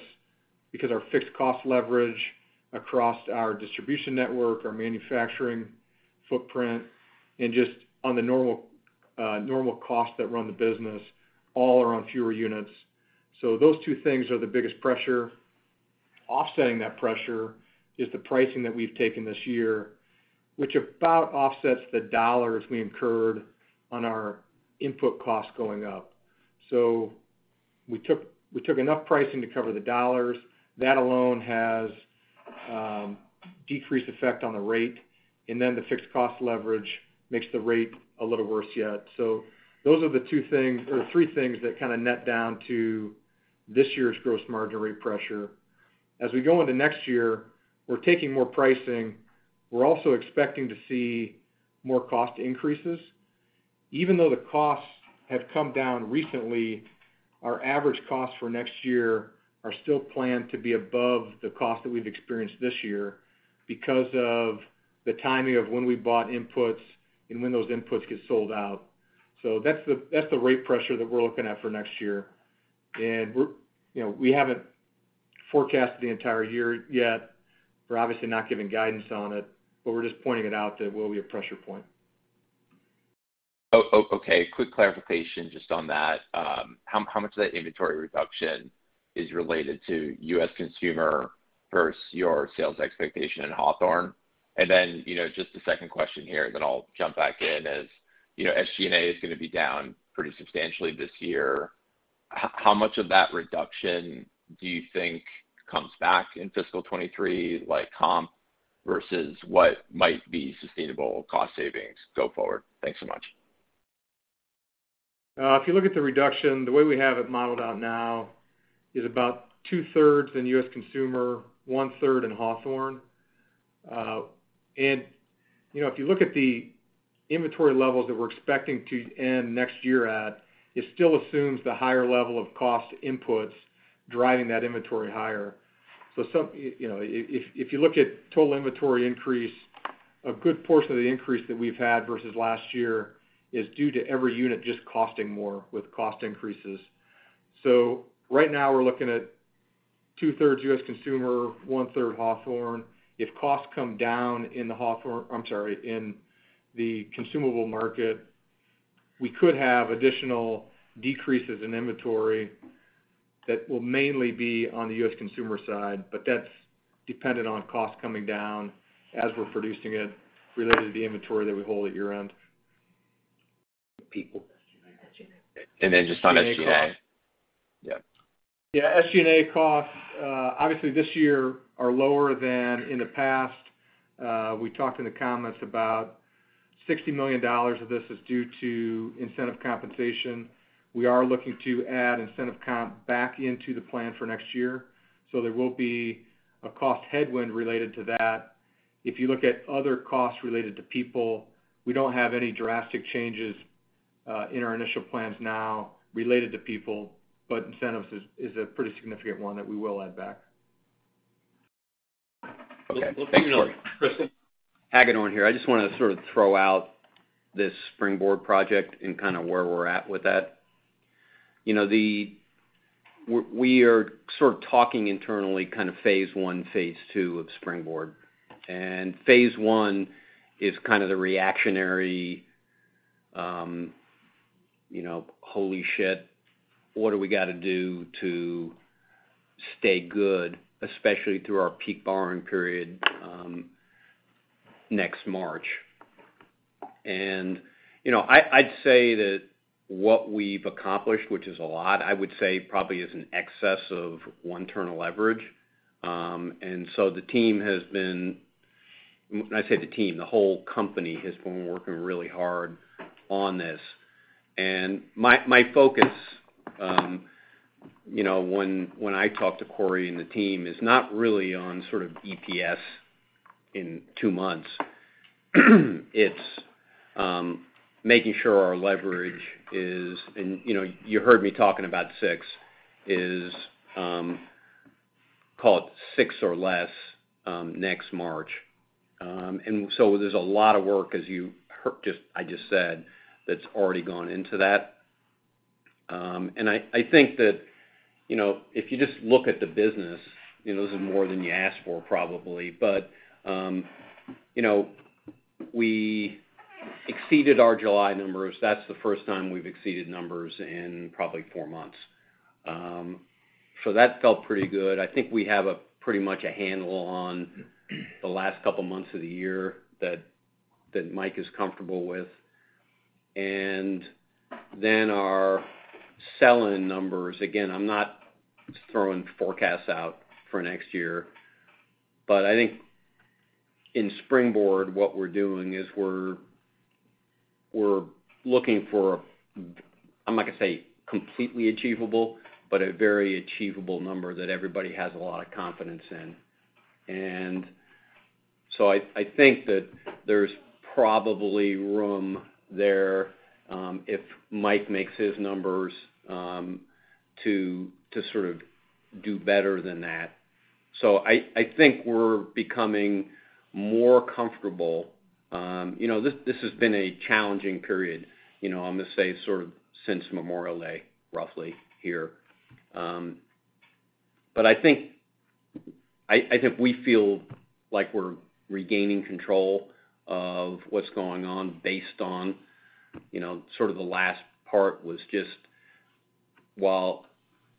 because our fixed cost leverage across our distribution network, our manufacturing footprint, and just on the normal costs that run the business all are on fewer units. Those two things are the biggest pressure. Offsetting that pressure is the pricing that we've taken this year, which about offsets the dollars we incurred on our input costs going up. We took enough pricing to cover the dollars. That alone has decreased effect on the rate, and then the fixed cost leverage makes the rate a little worse yet. Those are the two things or three things that kind of net down to this year's gross margin rate pressure. As we go into next year, we're taking more pricing. We're also expecting to see more cost increases. Even though the costs have come down recently, our average costs for next year are still planned to be above the cost that we've experienced this year because of the timing of when we bought inputs and when those inputs get sold out. That's the rate pressure that we're looking at for next year. We're you know, we haven't forecasted the entire year yet. We're obviously not giving guidance on it, but we're just pointing it out that it will be a pressure point. Oh, okay. Quick clarification just on that. How much of that inventory reduction is related to U.S. consumer versus your sales expectation in Hawthorne? You know, just a second question here, then I'll jump back in, is, you know, SG&A is gonna be down pretty substantially this year. How much of that reduction do you think comes back in fiscal 2023, like comp, versus what might be sustainable cost savings go forward? Thanks so much. If you look at the reduction, the way we have it modeled out now is about 2/3 In U.S. consumer, 1/3 in Hawthorne. You know, if you look at the inventory levels that we're expecting to end next year at, it still assumes the higher level of cost inputs driving that inventory higher. You know, if you look at total inventory increase, a good portion of the increase that we've had versus last year is due to every unit just costing more with cost increases. Right now, we're looking at 2/3 U.S. consumer, 1/3 Hawthorne. If costs come down in the consumable market, we could have additional decreases in inventory that will mainly be on the U.S. consumer side, but that's dependent on costs coming down as we're producing it related to the inventory that we hold at year-end. Just on SG&A. SG&A costs. Yeah. Yeah, SG&A costs obviously this year are lower than in the past. We talked in the comments about $60 million of this is due to incentive compensation. We are looking to add incentive comp back into the plan for next year, so there will be a cost headwind related to that. If you look at other costs related to people, we don't have any drastic changes in our initial plans now related to people, but incentives is a pretty significant one that we will add back. Okay. Thanks, Mike. Let's bring it on. Chris? Hagedorn here. I just wanna sort of throw out this Springboard project and kind of where we're at with that. You know, we are sort of talking internally kind of phase I, phase II of Springboard. Phase I is kind of the reactionary, you know, holy shit, what do we gotta do to stay good, especially through our peak borrowing period, next March. You know, I'd say that what we've accomplished, which is a lot, I would say probably is in excess of one turn of leverage. The team has been. When I say the team, the whole company has been working really hard on this. My focus, you know, when I talk to Cory and the team is not really on sort of EPS in two months. It's making sure our leverage is, you know, you heard me talking about 6x, call it 6x or less next March. There's a lot of work, as you heard, I just said, that's already gone into that. I think that, you know, if you just look at the business, you know, this is more than you asked for probably. You know, we exceeded our July numbers. That's the first time we've exceeded numbers in probably four months. That felt pretty good. I think we have pretty much a handle on the last couple months of the year that Mike is comfortable with. Our sell-in numbers, again, I'm not throwing forecasts out for next year, but I think in Springboard, what we're doing is we're looking for, I'm not gonna say completely achievable, but a very achievable number that everybody has a lot of confidence in. I think that there's probably room there, if Mike makes his numbers, to sort of do better than that. I think we're becoming more comfortable. You know, this has been a challenging period, you know, I'm gonna say sort of since Memorial Day, roughly here. I think we feel like we're regaining control of what's going on based on, you know, sort of the last part was just while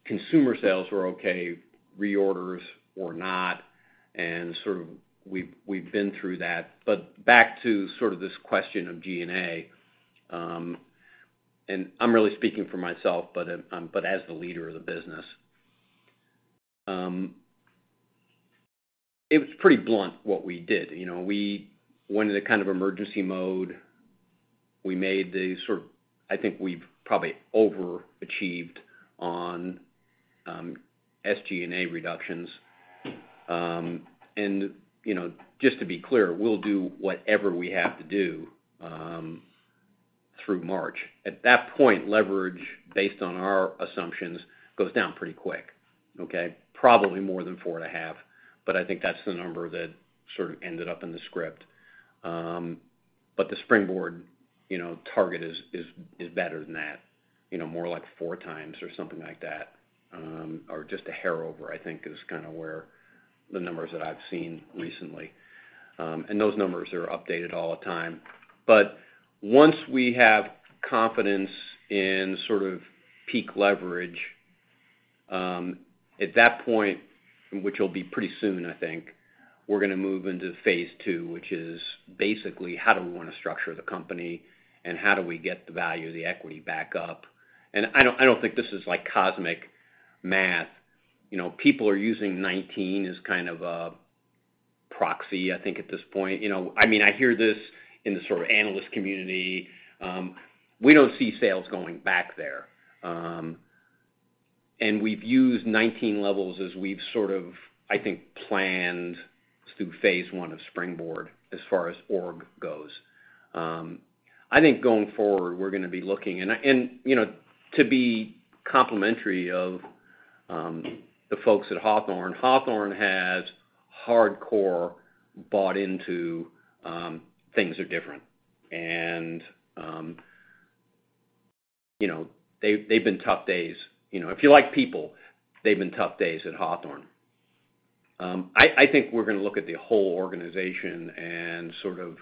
consumer sales were okay, reorders were not, and sort of we've been through that. Back to sort of this question of SG&A, and I'm really speaking for myself, but as the leader of the business. It was pretty blunt what we did, you know. We went into kind of emergency mode. We made the sort of I think we've probably overachieved on SG&A reductions. You know, just to be clear, we'll do whatever we have to do through March. At that point, leverage, based on our assumptions, goes down pretty quick, okay? Probably more than 4.5x, but I think that's the number that sort of ended up in the script. The Springboard, you know, target is better than that, you know, more like 4x or something like that, or just a hair over, I think, is kinda where the numbers that I've seen recently. Those numbers are updated all the time. Once we have confidence in sort of peak leverage, at that point, which will be pretty soon, I think, we're gonna move into phase two, which is basically how do we wanna structure the company, and how do we get the value of the equity back up? I don't think this is like cosmic math. You know, people are using 2019 as kind of a proxy, I think at this point. You know, I mean, I hear this in the sort of analyst community. We don't see sales going back there. We've used 2019 levels as we've sort of, I think, planned through phase one of Springboard as far as org goes. I think going forward, we're gonna be looking. You know, to be complimentary of the folks at Hawthorne has hardcore bought into things are different. You know, they've been tough days. You know, if you like people, they've been tough days at Hawthorne. I think we're gonna look at the whole organization and sort of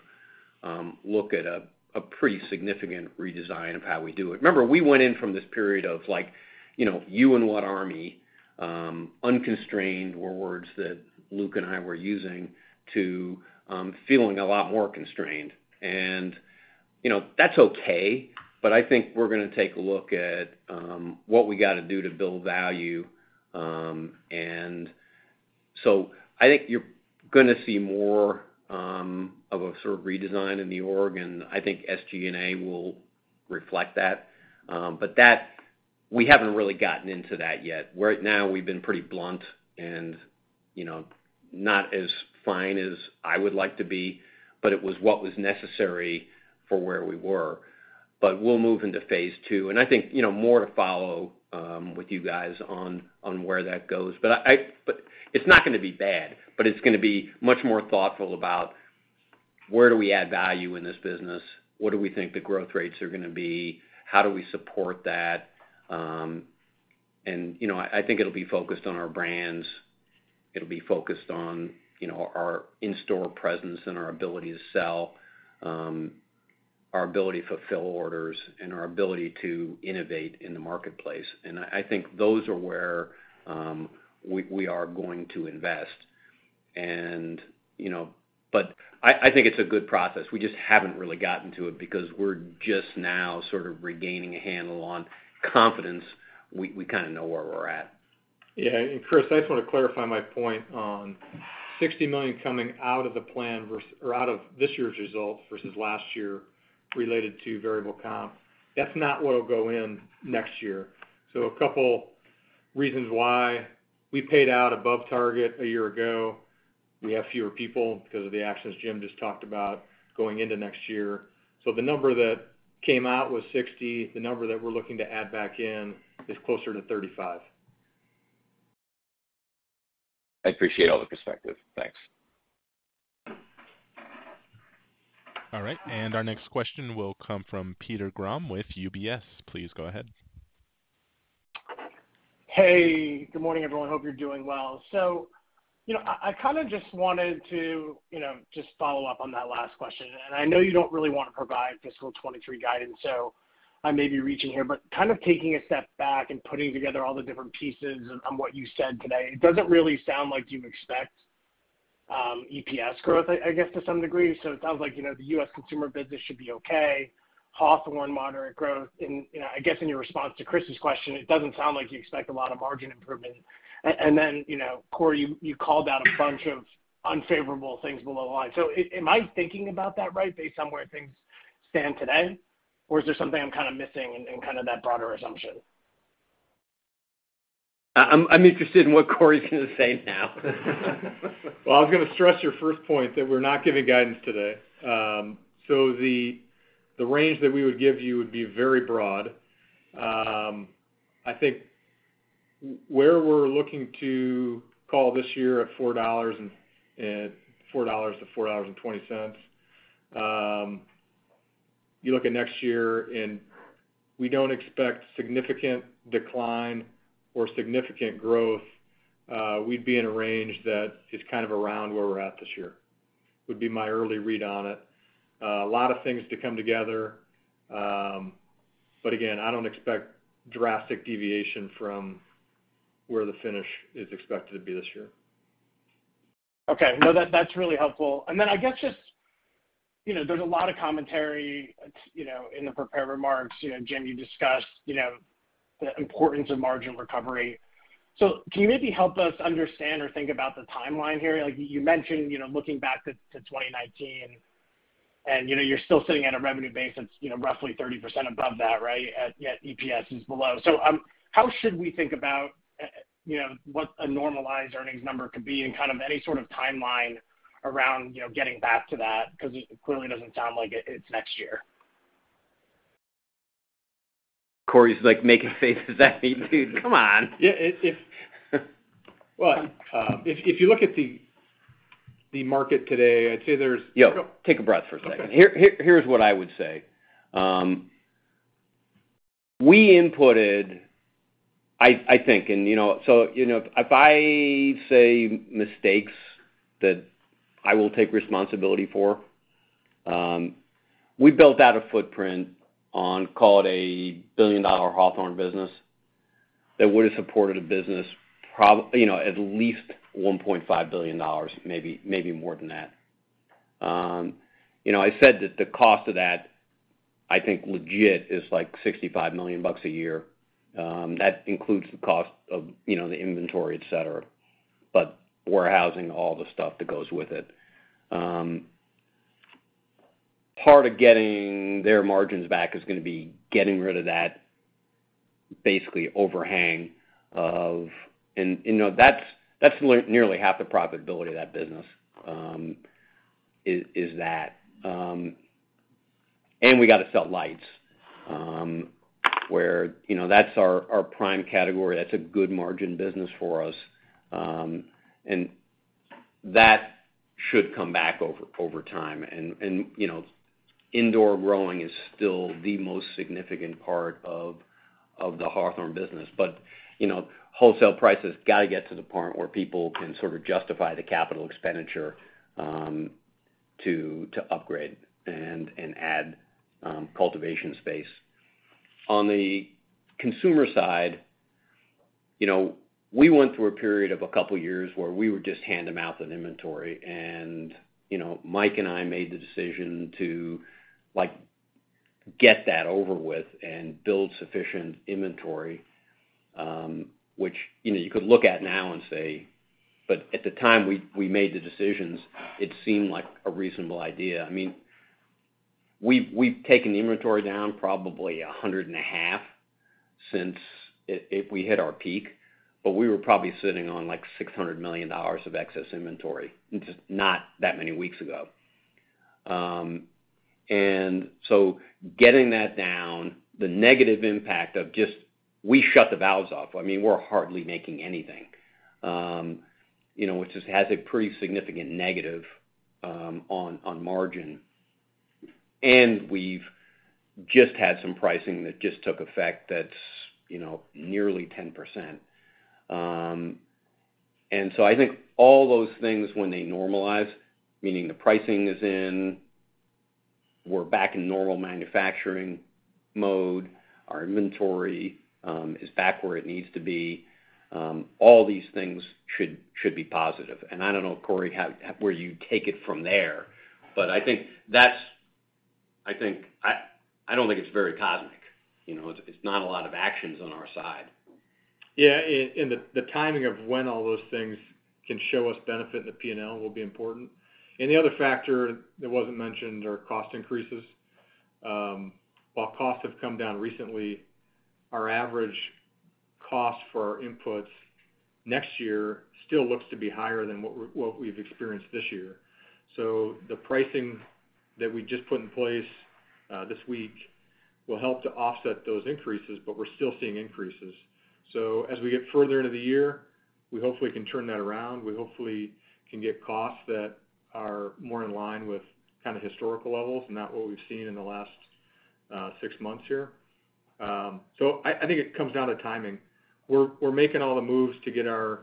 look at a pretty significant redesign of how we do it. Remember, we went from this period of, like, you know, you and what army, unconstrained were words that Luke and I were using to feeling a lot more constrained. You know, that's okay, but I think we're gonna take a look at what we gotta do to build value. I think you're gonna see more of a sort of redesign in the org, and I think SG&A will reflect that. That we haven't really gotten into that yet. Right now, we've been pretty blunt and, you know, not as fine as I would like to be, but it was what was necessary for where we were. We'll move into phase two, and I think, you know, more to follow with you guys on where that goes. It's not gonna be bad, but it's gonna be much more thoughtful about where do we add value in this business? What do we think the growth rates are gonna be? How do we support that? You know, I think it'll be focused on our brands. It'll be focused on, you know, our in-store presence and our ability to sell, our ability to fulfill orders and our ability to innovate in the marketplace. I think those are where we are going to invest. You know, but I think it's a good process. We just haven't really gotten to it because we're just now sort of regaining a handle on confidence. We kinda know where we're at. Yeah. Chris, I just wanna clarify my point on $60 million coming out of the plan or out of this year's results versus last year related to variable comp. That's not what'll go in next year. A couple reasons why. We paid out above target a year ago. We have fewer people because of the actions Jim just talked about going into next year. The number that came out was $60 million. The number that we're looking to add back in is closer to $35 million. I appreciate all the perspective. Thanks. All right. Our next question will come from Peter Grom with UBS. Please go ahead. Hey, good morning, everyone. Hope you're doing well. You know, I kinda just wanted to, you know, just follow up on that last question. I know you don't really want to provide fiscal 2023 guidance, so I may be reaching here. Kind of taking a step back and putting together all the different pieces on what you said today, it doesn't really sound like you expect EPS growth, I guess, to some degree. It sounds like, you know, the U.S. consumer business should be okay, Hawthorne moderate growth. You know, I guess in your response to Chris's question, it doesn't sound like you expect a lot of margin improvement. And then, you know, Cory, you called out a bunch of unfavorable things below the line. Am I thinking about that right based on where things stand today, or is there something I'm kinda missing in kinda that broader assumption? I'm interested in what Cory's gonna say now. Well, I was gonna stress your first point, that we're not giving guidance today. So the range that we would give you would be very broad. I think where we're looking to call this year at $4-$4.20. You look at next year and we don't expect significant decline or significant growth. We'd be in a range that is kind of around where we're at this year, would be my early read on it. A lot of things to come together. Again, I don't expect drastic deviation from where the finish is expected to be this year. That's really helpful. Then I guess just, you know, there's a lot of commentary, you know, in the prepared remarks. You know, Jim, you discussed, you know, the importance of margin recovery. So can you maybe help us understand or think about the timeline here? Like you mentioned, you know, looking back to 2019, and, you know, you're still sitting at a revenue base that's, you know, roughly 30% above that, right? Yet EPS is below. So how should we think about, you know, what a normalized earnings number could be and kind of any sort of timeline around, you know, getting back to that, because it clearly doesn't sound like it's next year. Cory's like making faces at me. Dude, come on. If you look at the market today, I'd say there's-- Yo, take a breath for a second. Okay. Here is what I would say. We inputted, I think, you know, if I say mistakes that I will take responsibility for, we built out a footprint on, call it, $1 billion Hawthorne business that would've supported a business, you know, at least $1.5 billion, maybe more than that. You know, I said that the cost of that, I think legit is like $65 million a year. That includes the cost of, you know, the inventory, et cetera, but warehousing all the stuff that goes with it. Part of getting their margins back is gonna be getting rid of that, basically, overhang. You know, that's nearly half the profitability of that business is that. We got to sell lights, you know, that's our prime category. That's a good margin business for us. That should come back over time. You know, indoor growing is still the most significant part of the Hawthorne business. You know, wholesale prices got to get to the point where people can sort of justify the capital expenditure to upgrade and add cultivation space. On the consumer side, you know, we went through a period of a couple of years where we were just hand to mouth with inventory and, you know, Mike and I made the decision to, like, get that over with and build sufficient inventory, which, you know, you could look at now and say, but at the time we made the decisions, it seemed like a reasonable idea. I mean, we've taken inventory down probably $150 million since we hit our peak, but we were probably sitting on like $600 million of excess inventory just not that many weeks ago. Getting that down, the negative impact of just we shut the valves off. I mean, we're hardly making anything, you know, which just has a pretty significant negative on margin. We've just had some pricing that just took effect that's, you know, nearly 10%. I think all those things when they normalize, meaning the pricing is in, we're back in normal manufacturing mode, our inventory is back where it needs to be, all these things should be positive. I don't know, Cory, where you take it from there, but I think I think. I don't think it's very cosmic, you know. It's not a lot of actions on our side. Yeah. The timing of when all those things can show us benefit in the P&L will be important. The other factor that wasn't mentioned are cost increases. While costs have come down recently, our average cost for our inputs next year still looks to be higher than what we've experienced this year. The pricing that we just put in place this week will help to offset those increases, but we're still seeing increases. As we get further into the year, we hopefully can turn that around. We hopefully can get costs that are more in line with kind of historical levels and not what we've seen in the last six months here. I think it comes down to timing. We're making all the moves to get our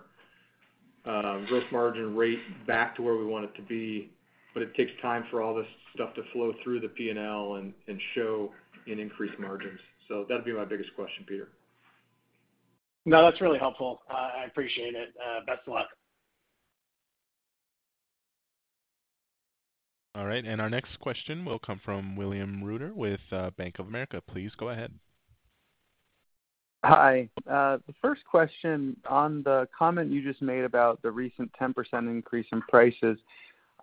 gross margin rate back to where we want it to be, but it takes time for all this stuff to flow through the P&L and show in increased margins. That'd be my biggest question, Peter. No, that's really helpful. I appreciate it. Best of luck. All right. Our next question will come from William Reuter with Bank of America. Please go ahead. Hi. The first question on the comment you just made about the recent 10% increase in prices.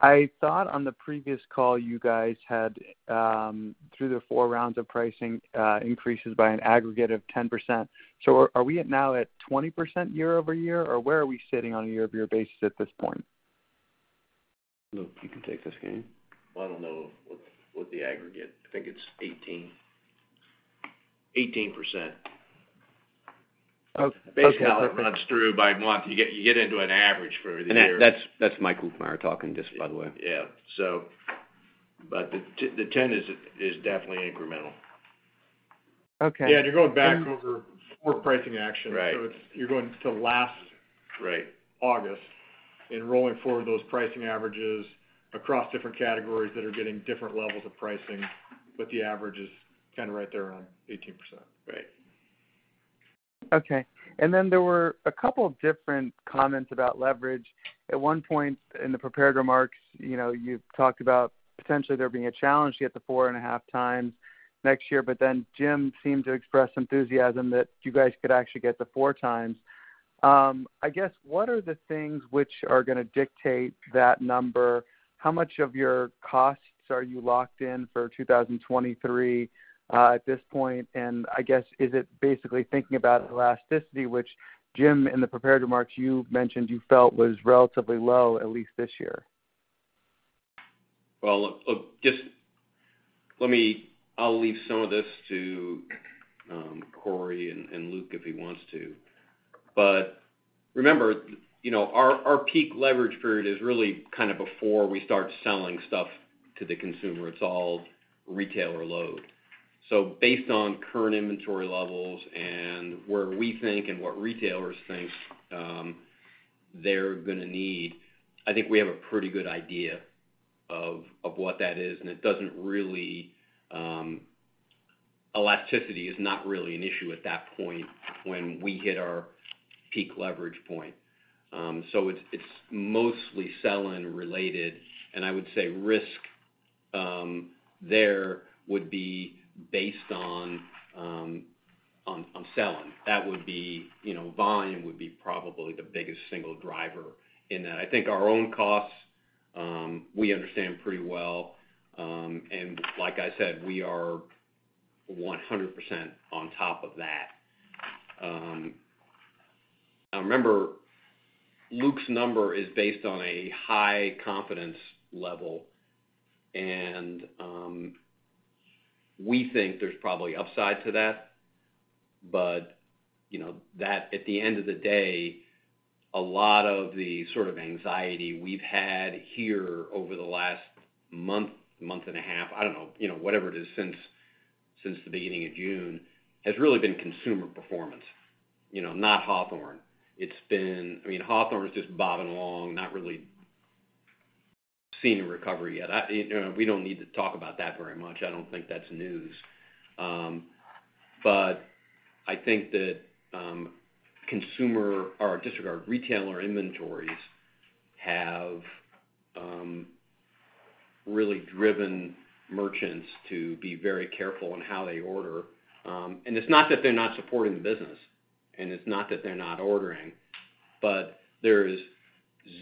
I thought on the previous call you guys had, through the four rounds of pricing increases by an aggregate of 10%. Are we now at 20% year-over-year, or where are we sitting on a year-over-year basis at this point? Luke, you can take this again. I don't know what the aggregate. I think it's 18%. Oh, okay. Based on how it runs through by month, you get into an average for the year. That's Mike Lukemire talking just by the way. The 10 is definitely incremental. Okay. Yeah, you're going back over forward pricing action. You're going to last August and rolling forward those pricing averages across different categories that are getting different levels of pricing, but the average is kind of right there around 18%. Right. Okay. There were a couple of different comments about leverage. At one point in the prepared remarks, you know, you talked about potentially there being a challenge to get to 4.5x next year, but then Jim seemed to express enthusiasm that you guys could actually get to 4x. I guess, what are the things which are gonna dictate that number? How much of your costs are you locked in for 2023, at this point? I guess, is it basically thinking about elasticity, which Jim, in the prepared remarks, you mentioned you felt was relatively low, at least this year? I'll leave some of this to Cory and Luke if he wants to. Remember, you know, our peak leverage period is really kind of before we start selling stuff to the consumer. It's all retailer load. Based on current inventory levels and where we think and what retailers think, they're gonna need. I think we have a pretty good idea of what that is, and it doesn't really. Elasticity is not really an issue at that point when we hit our peak leverage point. It's mostly sell-in related. I would say risk there would be based on sell-in. That would be, you know, volume would be probably the biggest single driver in that. I think our own costs we understand pretty well. Like I said, we are 100% on top of that. Now remember, Luke's number is based on a high confidence level and we think there's probably upside to that. You know, that, at the end of the day, a lot of the sort of anxiety we've had here over the last month, 1.5 month, I don't know, you know, whatever it is since the beginning of June, has really been consumer performance, you know, not Hawthorne. It's been, I mean, Hawthorne is just bobbing along, not really seeing a recovery yet. You know, we don't need to talk about that very much. I don't think that's news. I think that consumer orders regarding retailer inventories have really driven merchants to be very careful in how they order. It's not that they're not supporting the business, and it's not that they're not ordering, but there is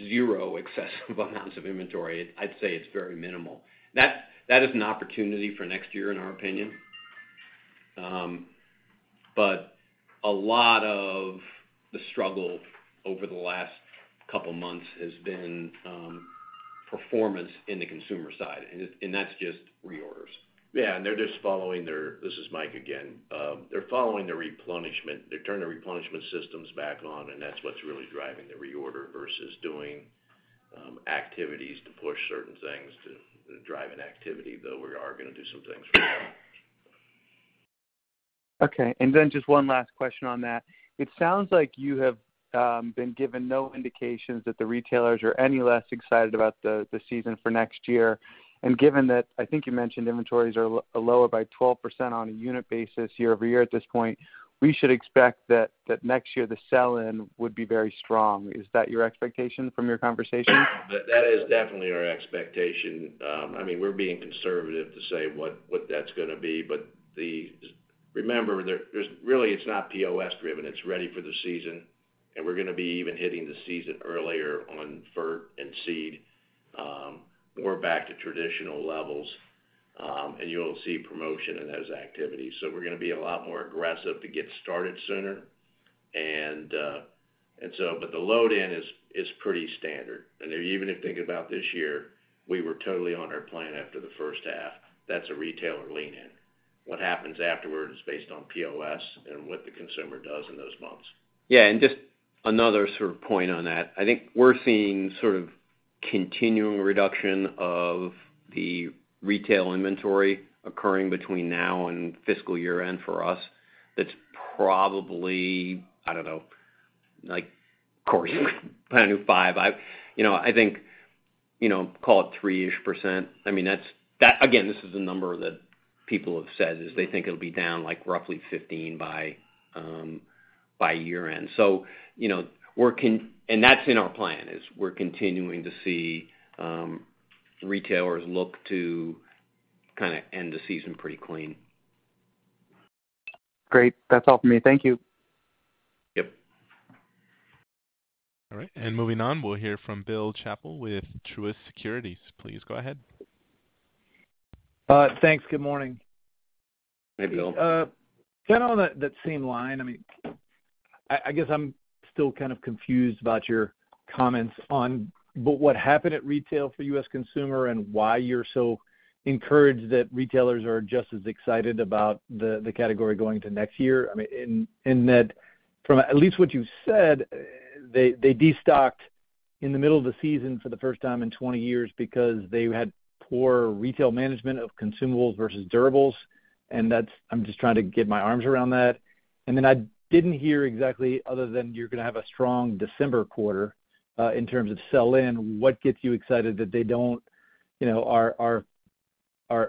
zero excess amounts of inventory. I'd say it's very minimal. That is an opportunity for next year in our opinion. A lot of the struggle over the last couple of months has been performance in the consumer side, and that's just reorders. This is Mike again. They're following the replenishment. They're turning the replenishment systems back on, and that's what's really driving the reorder versus doing activities to push certain things to drive an activity, though we are gonna do some things for that. Okay. Just one last question on that. It sounds like you have been given no indications that the retailers are any less excited about the season for next year. Given that, I think you mentioned inventories are lower by 12% on a unit basis year-over-year at this point, we should expect that next year the sell-in would be very strong. Is that your expectation from your conversation? That is definitely our expectation. I mean, we're being conservative to say what that's gonna be. Remember, there's really, it's not POS driven. It's ready for the season, and we're gonna be even hitting the season earlier on fert and seed, more back to traditional levels, and you'll see promotion in those activities. We're gonna be a lot more aggressive to get started sooner. The load-in is pretty standard. Even if you think about this year, we were totally on our plan after the first half. That's a retailer lean-in. What happens afterwards is based on POS and what the consumer does in those months. Yeah. Just another sort of point on that. I think we're seeing sort of continuing reduction of the retail inventory occurring between now and fiscal year-end for us. That's probably, I don't know, like Cory said, kind of 5%. You know, I think, you know, call it 3%-ish. I mean, that's that again, this is a number that people have said is they think it'll be down like roughly 15% by year-end. You know, that's in our plan is we're continuing to see retailers look to kinda end the season pretty clean. Great. That's all for me. Thank you. Yep. All right. Moving on, we'll hear from Bill Chappell with Truist Securities. Please go ahead. Thanks. Good morning. Hey, Bill. Kind of on that same line. I mean, I guess I'm still kind of confused about your comments on what happened at retail for U.S. consumer and why you're so encouraged that retailers are just as excited about the category going into next year. I mean, in that from at least what you've said, they destocked in the middle of the season for the first time in 20 years because they had poor retail management of consumables versus durables. That's. I'm just trying to get my arms around that. I didn't hear exactly, other than you're gonna have a strong December quarter in terms of sell in, what gets you excited that they don't, you know, are as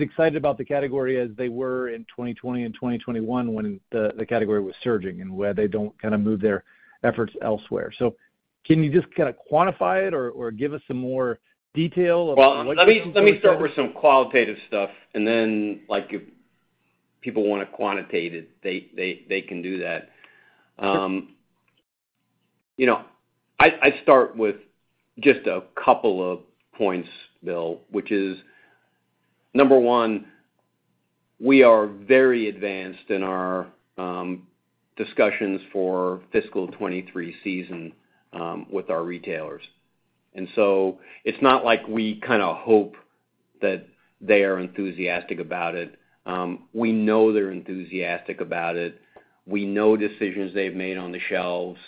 excited about the category as they were in 2020 and 2021 when the category was surging and where they don't kind of move their efforts elsewhere. Can you just kind of quantify it or give us some more detail about what- Well, let me start with some qualitative stuff, and then, like, if people wanna quantitate it, they can do that. You know, I start with just a couple of points, Bill, which is, number one, we are very advanced in our discussions for fiscal 2023 season with our retailers. It's not like we kinda hope that they are enthusiastic about it. We know they're enthusiastic about it. We know decisions they've made on the shelves.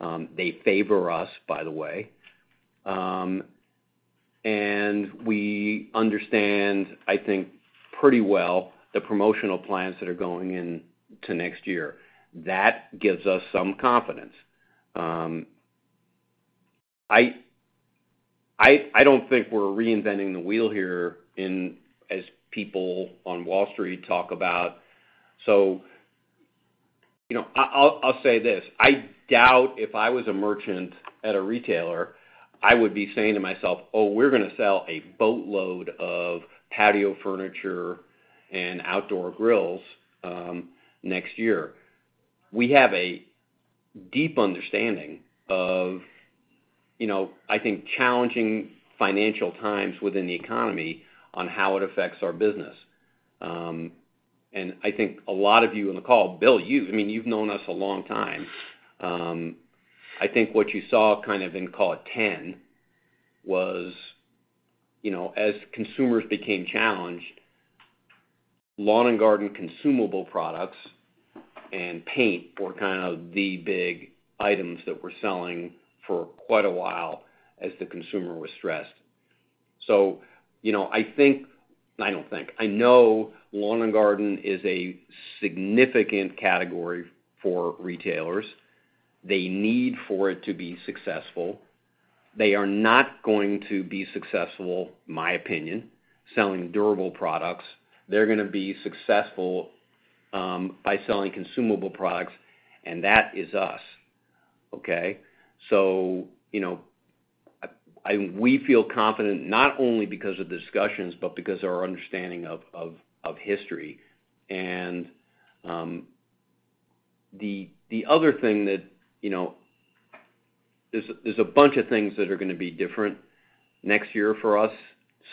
They favor us, by the way. We understand, I think, pretty well the promotional plans that are going in to next year. That gives us some confidence. I don't think we're reinventing the wheel here in as people on Wall Street talk about. You know, I'll say this: I doubt if I was a merchant at a retailer, I would be saying to myself, "Oh, we're gonna sell a boatload of patio furniture and outdoor grills next year." We have a deep understanding of, you know, I think challenging financial times within the economy on how it affects our business. I think a lot of you on the call, Bill, you, I mean, you've known us a long time. I think what you saw kind of in 2010 was, you know, as consumers became challenged, lawn and garden consumable products and paint were kind of the big items that were selling for quite a while as the consumer was stressed. You know, I know lawn and garden is a significant category for retailers. They need for it to be successful. They are not going to be successful, in my opinion, selling durable products. They're gonna be successful by selling consumable products, and that is us. Okay? You know, we feel confident not only because of discussions, but because our understanding of history. The other thing that, you know, there's a bunch of things that are gonna be different next year for us.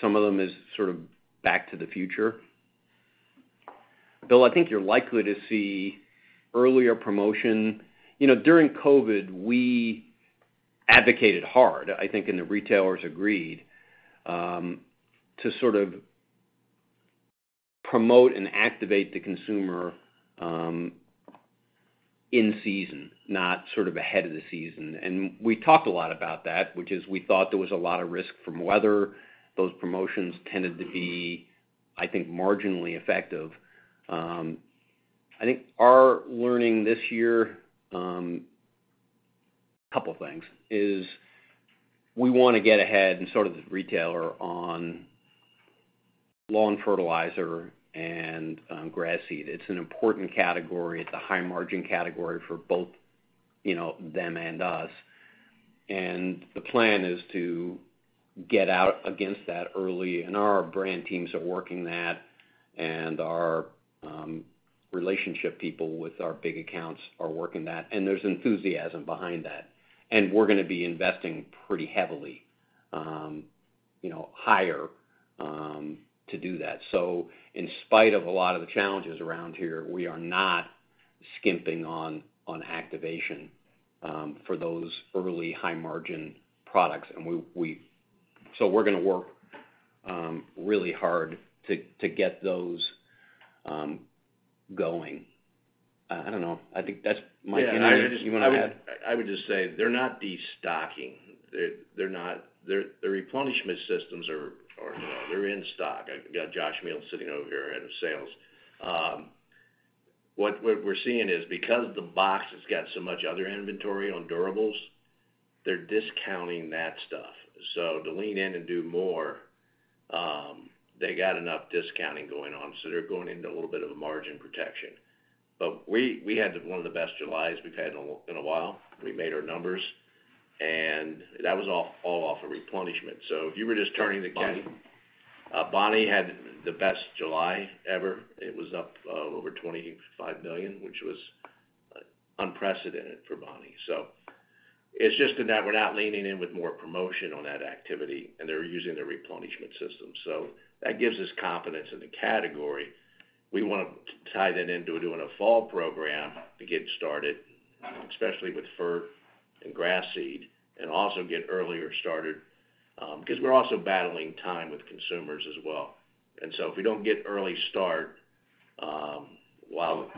Some of them is sort of back to the future. Bill, I think you're likely to see earlier promotion. You know, during COVID, we advocated hard, I think, and the retailers agreed to sort of promote and activate the consumer in season, not sort of ahead of the season. We talked a lot about that, which is we thought there was a lot of risk from weather. Those promotions tended to be, I think, marginally effective. I think our learning this year, couple of things, is we wanna get ahead of the retailer on lawn fertilizer and grass seed. It's an important category. It's a high margin category for both, you know, them and us. The plan is to get out against that early, and our brand teams are working that, and our relationship people with our big accounts are working that, and there's enthusiasm behind that. We're gonna be investing pretty heavily, you know, hire to do that. In spite of a lot of the challenges around here, we are not skimping on activation for those early high margin products. We're gonna work really hard to get those going. I don't know. I think that's my-- You wanna add? I would just say they're not destocking. They're not. Their replenishment systems are, you know, they're in stock. I've got Josh Meihls sitting over here, Head of Sales. What we're seeing is because the box has got so much other inventory on durables, they're discounting that stuff. To lean in and do more, they got enough discounting going on, so they're going into a little bit of a margin protection. But we had one of the best Julys we've had in a while. We made our numbers, and that was all off of replenishment. If you were just turning the Bonnie. Bonnie had the best July ever. It was up over $25 million, which was unprecedented for Bonnie. It's just that we're not leaning in with more promotion on that activity, and they're using their replenishment system. That gives us confidence in the category. We wanna tie that into doing a fall program to get started, especially with fir and grass seed, and also get earlier started, 'cause we're also battling time with consumers as well. If we don't get early start, while--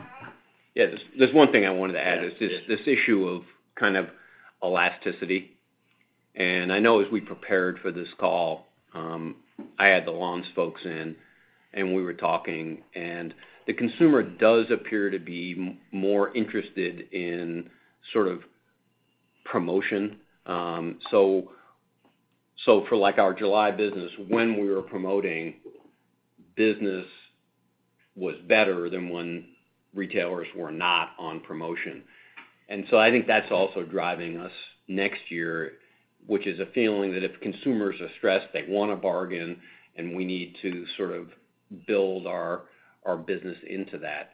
Yeah, there's one thing I wanted to add. Yes, please. It's this issue of kind of elasticity. I know as we prepared for this call, I had the lawns folks in, and we were talking, and the consumer does appear to be more interested in sort of promotion. For, like, our July business, when we were promoting, business was better than when retailers were not on promotion. I think that's also driving us next year, which is a feeling that if consumers are stressed, they wanna bargain, and we need to sort of build our business into that.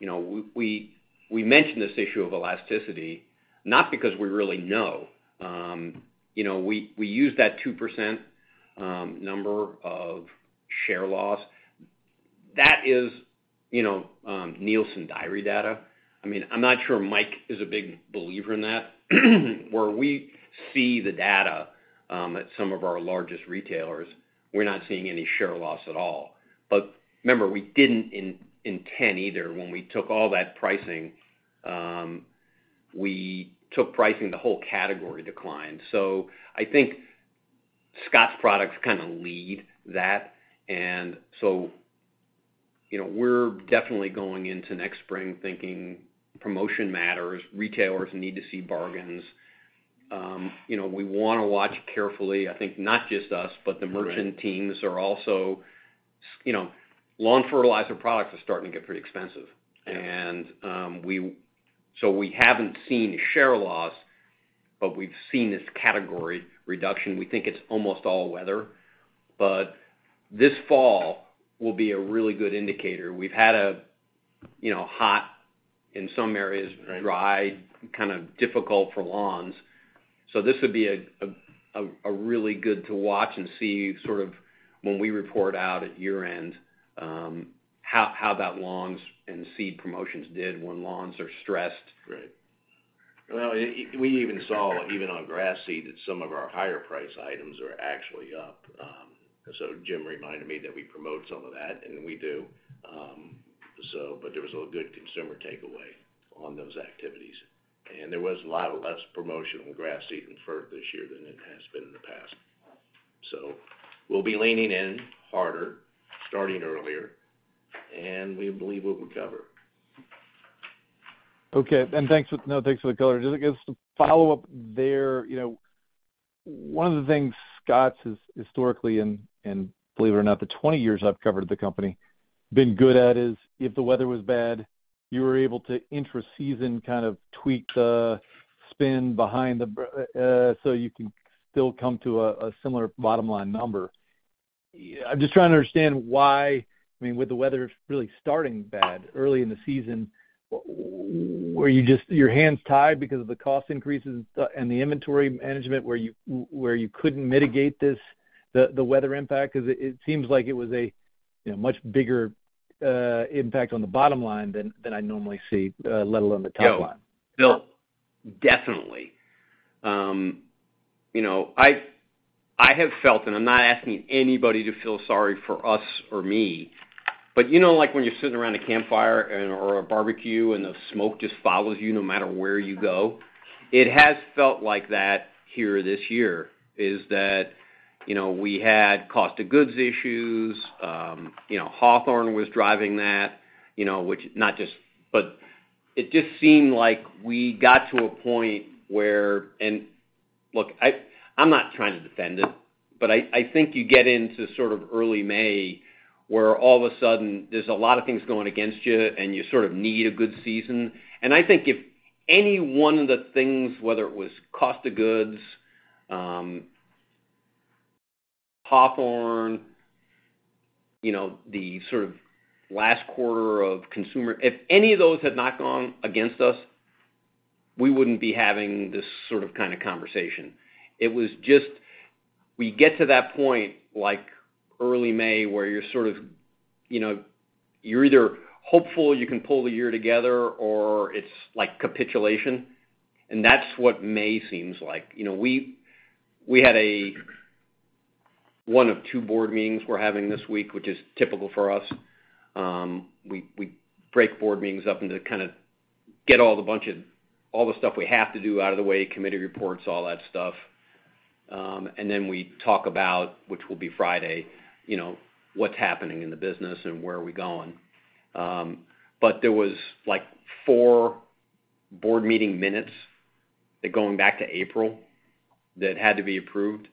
You know, we mention this issue of elasticity, not because we really know. You know, we use that 2% number of share loss. That is, you know, Nielsen diary data. I mean, I'm not sure Mike is a big believer in that. Where we see the data at some of our largest retailers, we're not seeing any share loss at all. Remember, we didn't in 10 either. When we took all that pricing, the whole category declined. I think Scotts products kinda lead that. You know, we're definitely going into next spring thinking promotion matters, retailers need to see bargains. You know, we wanna watch carefully. I think not just us, but the merchant teams are also. You know, lawn fertilizer products are starting to get pretty expensive. We haven't seen share loss, but we've seen this category reduction. We think it's almost all weather. This fall will be a really good indicator. We've had you know, hot, in some areas dry, kind of difficult for lawns. This would be a really good to watch and see sort of when we report out at year-end, how that lawns and seed promotions did when lawns are stressed. Right. Well, we even saw, even on grass seed, that some of our higher price items are actually up. Jim reminded me that we promote some of that, and we do. There was a good consumer takeaway on those activities. There was a lot less promotion on grass seed and fertilizer this year than it has been in the past. We'll be leaning in harder, starting earlier, and we believe we'll recover. Okay. Thanks for the color. Just to follow up there, one of the things Scotts has historically, believe it or not, the 20 years I've covered the company, been good at is if the weather was bad, you were able to intra season kind of tweak the spend behind the brand, so you can still come to a similar bottom line number. I'm just trying to understand why, I mean, with the weather really starting bad early in the season, were your hands tied because of the cost increases and the inventory management where you couldn't mitigate this, the weather impact? Because it seems like it was a, you know, much bigger impact on the bottom line than I normally see, let alone the top line. No, Bill, definitely. You know, I have felt, and I'm not asking anybody to feel sorry for us or me, but you know like when you're sitting around a campfire and, or a barbecue, and the smoke just follows you no matter where you go. It has felt like that here this year, that's, you know, we had cost of goods issues. You know, Hawthorne was driving that, you know. It just seemed like we got to a point where. Look, I'm not trying to defend it, but I think you get into sort of early May, where all of a sudden there's a lot of things going against you, and you sort of need a good season. I think if any one of the things, whether it was cost of goods, Hawthorne, you know, the sort of last quarter of consumer, if any of those had not gone against us, we wouldn't be having this sort of kind of conversation. It was just, we get to that point, like early May, where you're sort of, you know, you're either hopeful you can pull the year together or it's like capitulation, and that's what May seems like. You know, we had one of two board meetings we're having this week, which is typical for us. We break board meetings up into kind of get all the bunch of, all the stuff we have to do out of the way, committee reports, all that stuff. Then we talk about, which will be Friday, you know, what's happening in the business and where are we going. There was, like, four board meeting minutes that going back to April that had to be approved.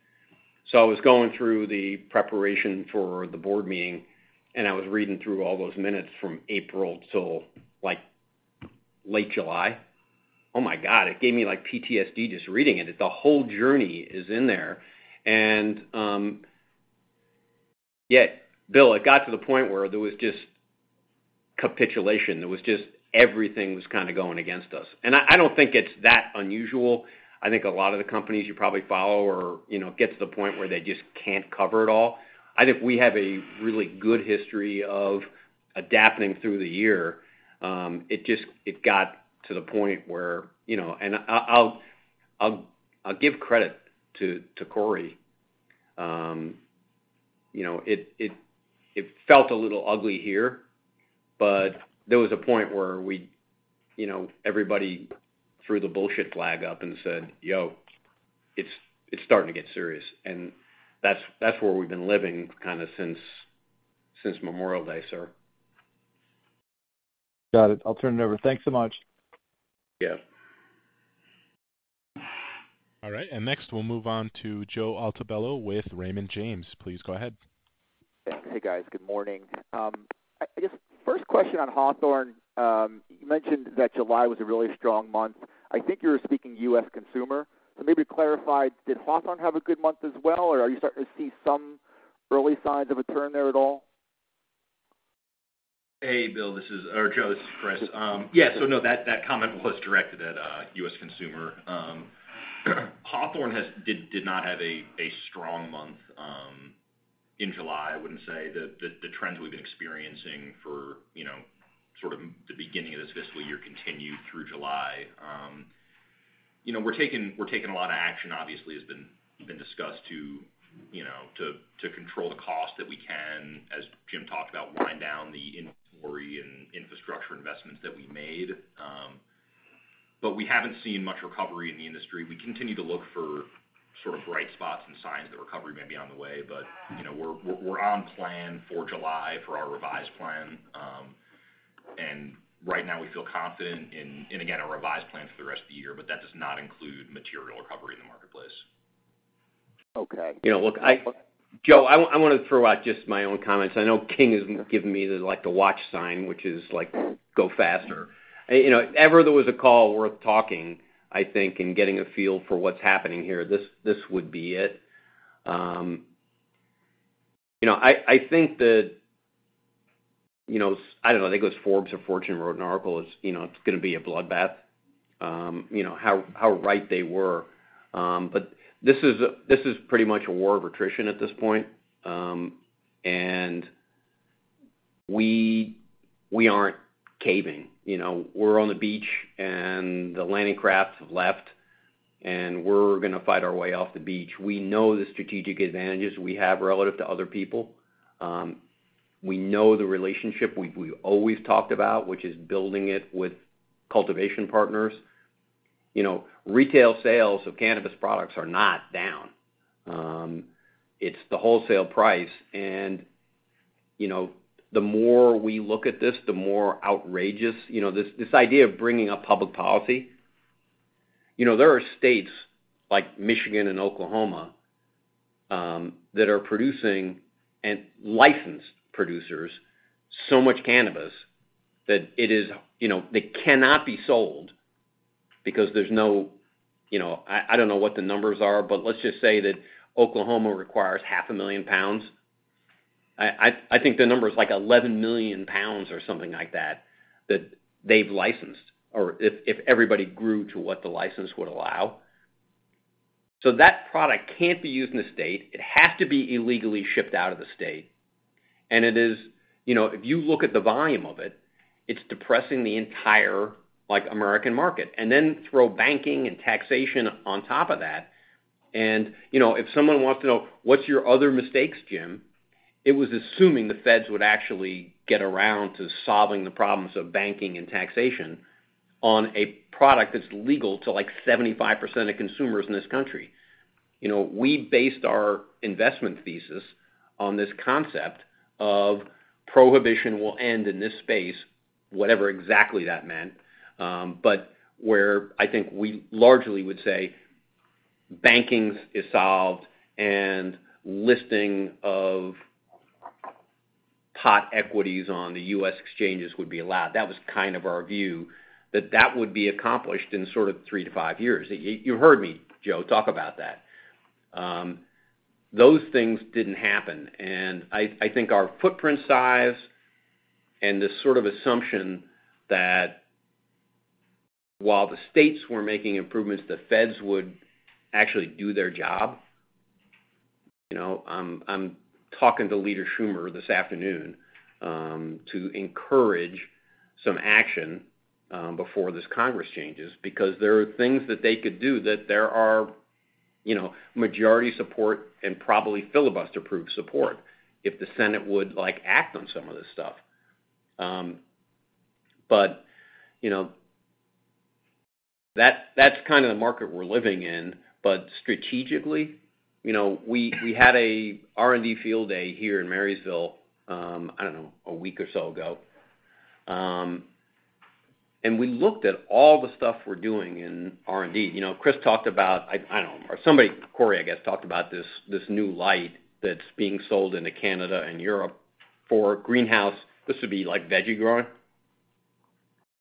I was going through the preparation for the board meeting, and I was reading through all those minutes from April till, like, late July. Oh my God, it gave me, like, PTSD just reading it. The whole journey is in there. Bill, it got to the point where there was just capitulation. There was just everything was kind of going against us. I don't think it's that unusual. I think a lot of the companies you probably follow or, you know, get to the point where they just can't cover it all. I think we have a really good history of adapting through the year. It got to the point where, you know, I'll give credit to Cory. You know, it felt a little ugly here, but there was a point where we, you know, everybody threw the bullshit flag up and said, "Yo, it's starting to get serious." That's where we've been living kinda since Memorial Day, sir. Got it. I'll turn it over. Thanks so much. Yeah. All right. Next, we'll move on to Joe Altobello with Raymond James. Please go ahead. Hey, guys. Good morning. I guess first question on Hawthorne. You mentioned that July was a really strong month. I think you were speaking U.S. consumer. Maybe clarify, did Hawthorne have a good month as well, or are you starting to see some early signs of a turn there at all? Hey, Bill. Or Joe, this is Chris. Yeah. No, that comment was directed at U.S. consumer. Hawthorne did not have a strong month in July. I wouldn't say the trends we've been experiencing for, you know, sort of the beginning of this fiscal year continued through July. You know, we're taking a lot of action, obviously, has been discussed to, you know, to control the cost that we can, as Jim talked about, wind down the inventory and infrastructure investments that we made. But we haven't seen much recovery in the industry. We continue to look for sort of bright spots and signs that recovery may be on the way. You know, we're on plan for July for our revised plan. Right now we feel confident in, again, a revised plan for the rest of the year, but that does not include material recovery in the marketplace. Okay. You know, look, Joe, I wanna throw out just my own comments. I know King has given me the, like, the watch sign, which is like, go faster. You know, if ever there was a call worth talking, I think, and getting a feel for what's happening here, this would be it. You know, I think that, you know, I don't know, I think it was Forbes or Fortune wrote an article, it's, you know, it's gonna be a bloodbath. You know, how right they were. This is pretty much a war of attrition at this point. We aren't caving. You know, we're on the beach and the landing crafts have left, and we're gonna fight our way off the beach. We know the strategic advantages we have relative to other people. We know the relationship we've always talked about, which is building it with cultivation partners. You know, retail sales of cannabis products are not down. It's the wholesale price and, you know, the more we look at this, the more outrageous. You know, this idea of bringing up public policy. You know, there are states like Michigan and Oklahoma that are producing, and licensed producers, so much cannabis that it is, you know, that cannot be sold because there's no, you know. I don't know what the numbers are, but let's just say that Oklahoma requires 500,000 pounds. I think the number is like 11 million pounds or something like that they've licensed or if everybody grew to what the license would allow. So that product can't be used in the state. It has to be illegally shipped out of the state. It is, you know, if you look at the volume of it's depressing the entire, like, American market. Throw banking and taxation on top of that. You know, if someone wants to know what's your other mistakes, Jim? It was assuming the feds would actually get around to solving the problems of banking and taxation on a product that's legal to, like, 75% of consumers in this country. You know, we based our investment thesis on this concept of prohibition will end in this space, whatever exactly that meant. Where I think we largely would say banking is solved and listing of pot equities on the U.S. exchanges would be allowed. That was kind of our view that that would be accomplished in sort of three-five years. You heard me, Joe, talk about that. Those things didn't happen. I think our footprint size and this sort of assumption that while the states were making improvements, the feds would actually do their job. You know, I'm talking to Leader Schumer this afternoon to encourage some action before this Congress changes because there are things that they could do, you know, majority support and probably filibuster-proof support if the Senate would, like, act on some of this stuff. You know, that's kind of the market we're living in. Strategically, you know, we had a R&D field day here in Marysville, I don't know, a week or so ago. We looked at all the stuff we're doing in R&D. You know, Chris talked about, I don't know, or somebody, Cory, I guess, talked about this new light that's being sold into Canada and Europe for greenhouse. This would be like veggie growing,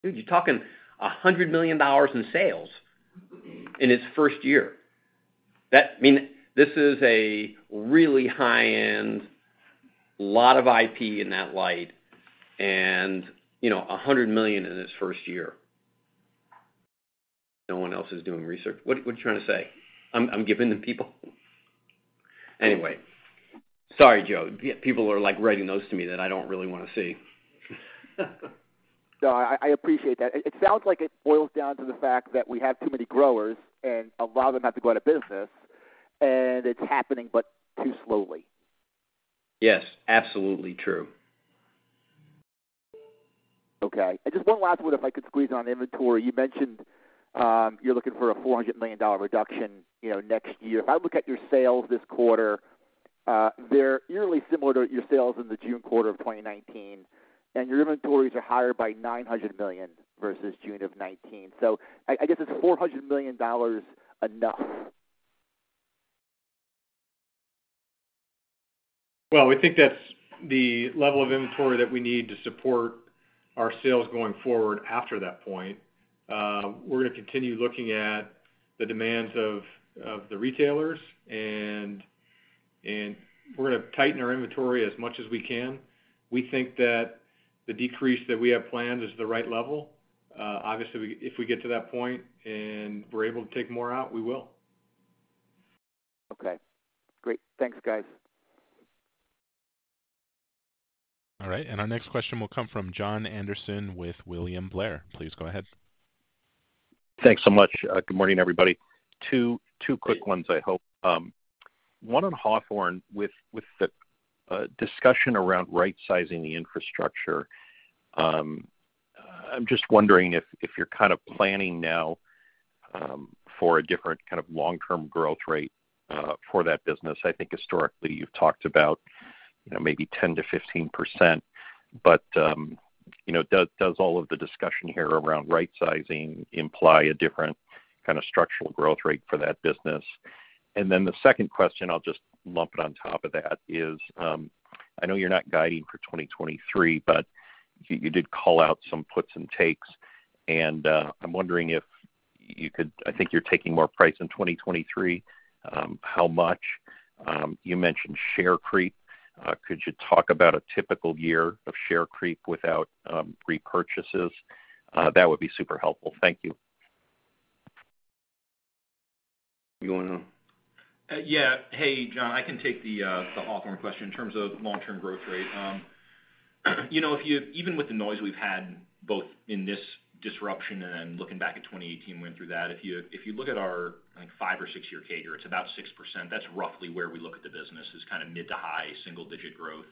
dude, you're talking $100 million in sales in its first year. That. I mean, this is a really high-end, lot of IP in that light and, you know, $100 million in its first year. No one else is doing research. What are you trying to say? I'm giving the people. Anyway, sorry, Joe. People are, like, writing those to me that I don't really wanna see. No, I appreciate that. It sounds like it boils down to the fact that we have too many growers and a lot of them have to go out of business, and it's happening but too slowly. Yes, absolutely true. Okay. Just one last one, if I could squeeze on inventory. You mentioned you're looking for a $400 million reduction, you know, next year. If I look at your sales this quarter, they're nearly similar to your sales in the June quarter of 2019, and your inventories are higher by $900 million versus June of 2019. I guess is $400 million enough? Well, we think that's the level of inventory that we need to support our sales going forward after that point. We're gonna continue looking at the demands of the retailers, and we're gonna tighten our inventory as much as we can. We think that the decrease that we have planned is the right level. Obviously, if we get to that point and we're able to take more out, we will. Okay. Great. Thanks, guys. All right. Our next question will come from Jon Andersen with William Blair. Please go ahead. Thanks so much. Good morning, everybody. Two quick ones, I hope. One on Hawthorne with the discussion around rightsizing the infrastructure. I'm just wondering if you're kind of planning now for a different kind of long-term growth rate for that business. I think historically you've talked about, you know, maybe 10%-15%, but you know, does all of the discussion here around rightsizing imply a different kind of structural growth rate for that business? Then the second question, I'll just lump it on top of that, is, I know you're not guiding for 2023, but you did call out some puts and takes, and I'm wondering if you could. I think you're taking more price in 2023. How much? You mentioned share creep. Could you talk about a typical year of share creep without repurchases? That would be super helpful. Thank you. You wanna? Yeah. Hey, Jon, I can take the Hawthorne question in terms of long-term growth rate. You know, even with the noise we've had both in this disruption and then looking back at 2018, went through that, if you look at our, like, five- or six-year CAGR, it's about 6%. That's roughly where we look at the business is kind of mid- to high-single-digit growth,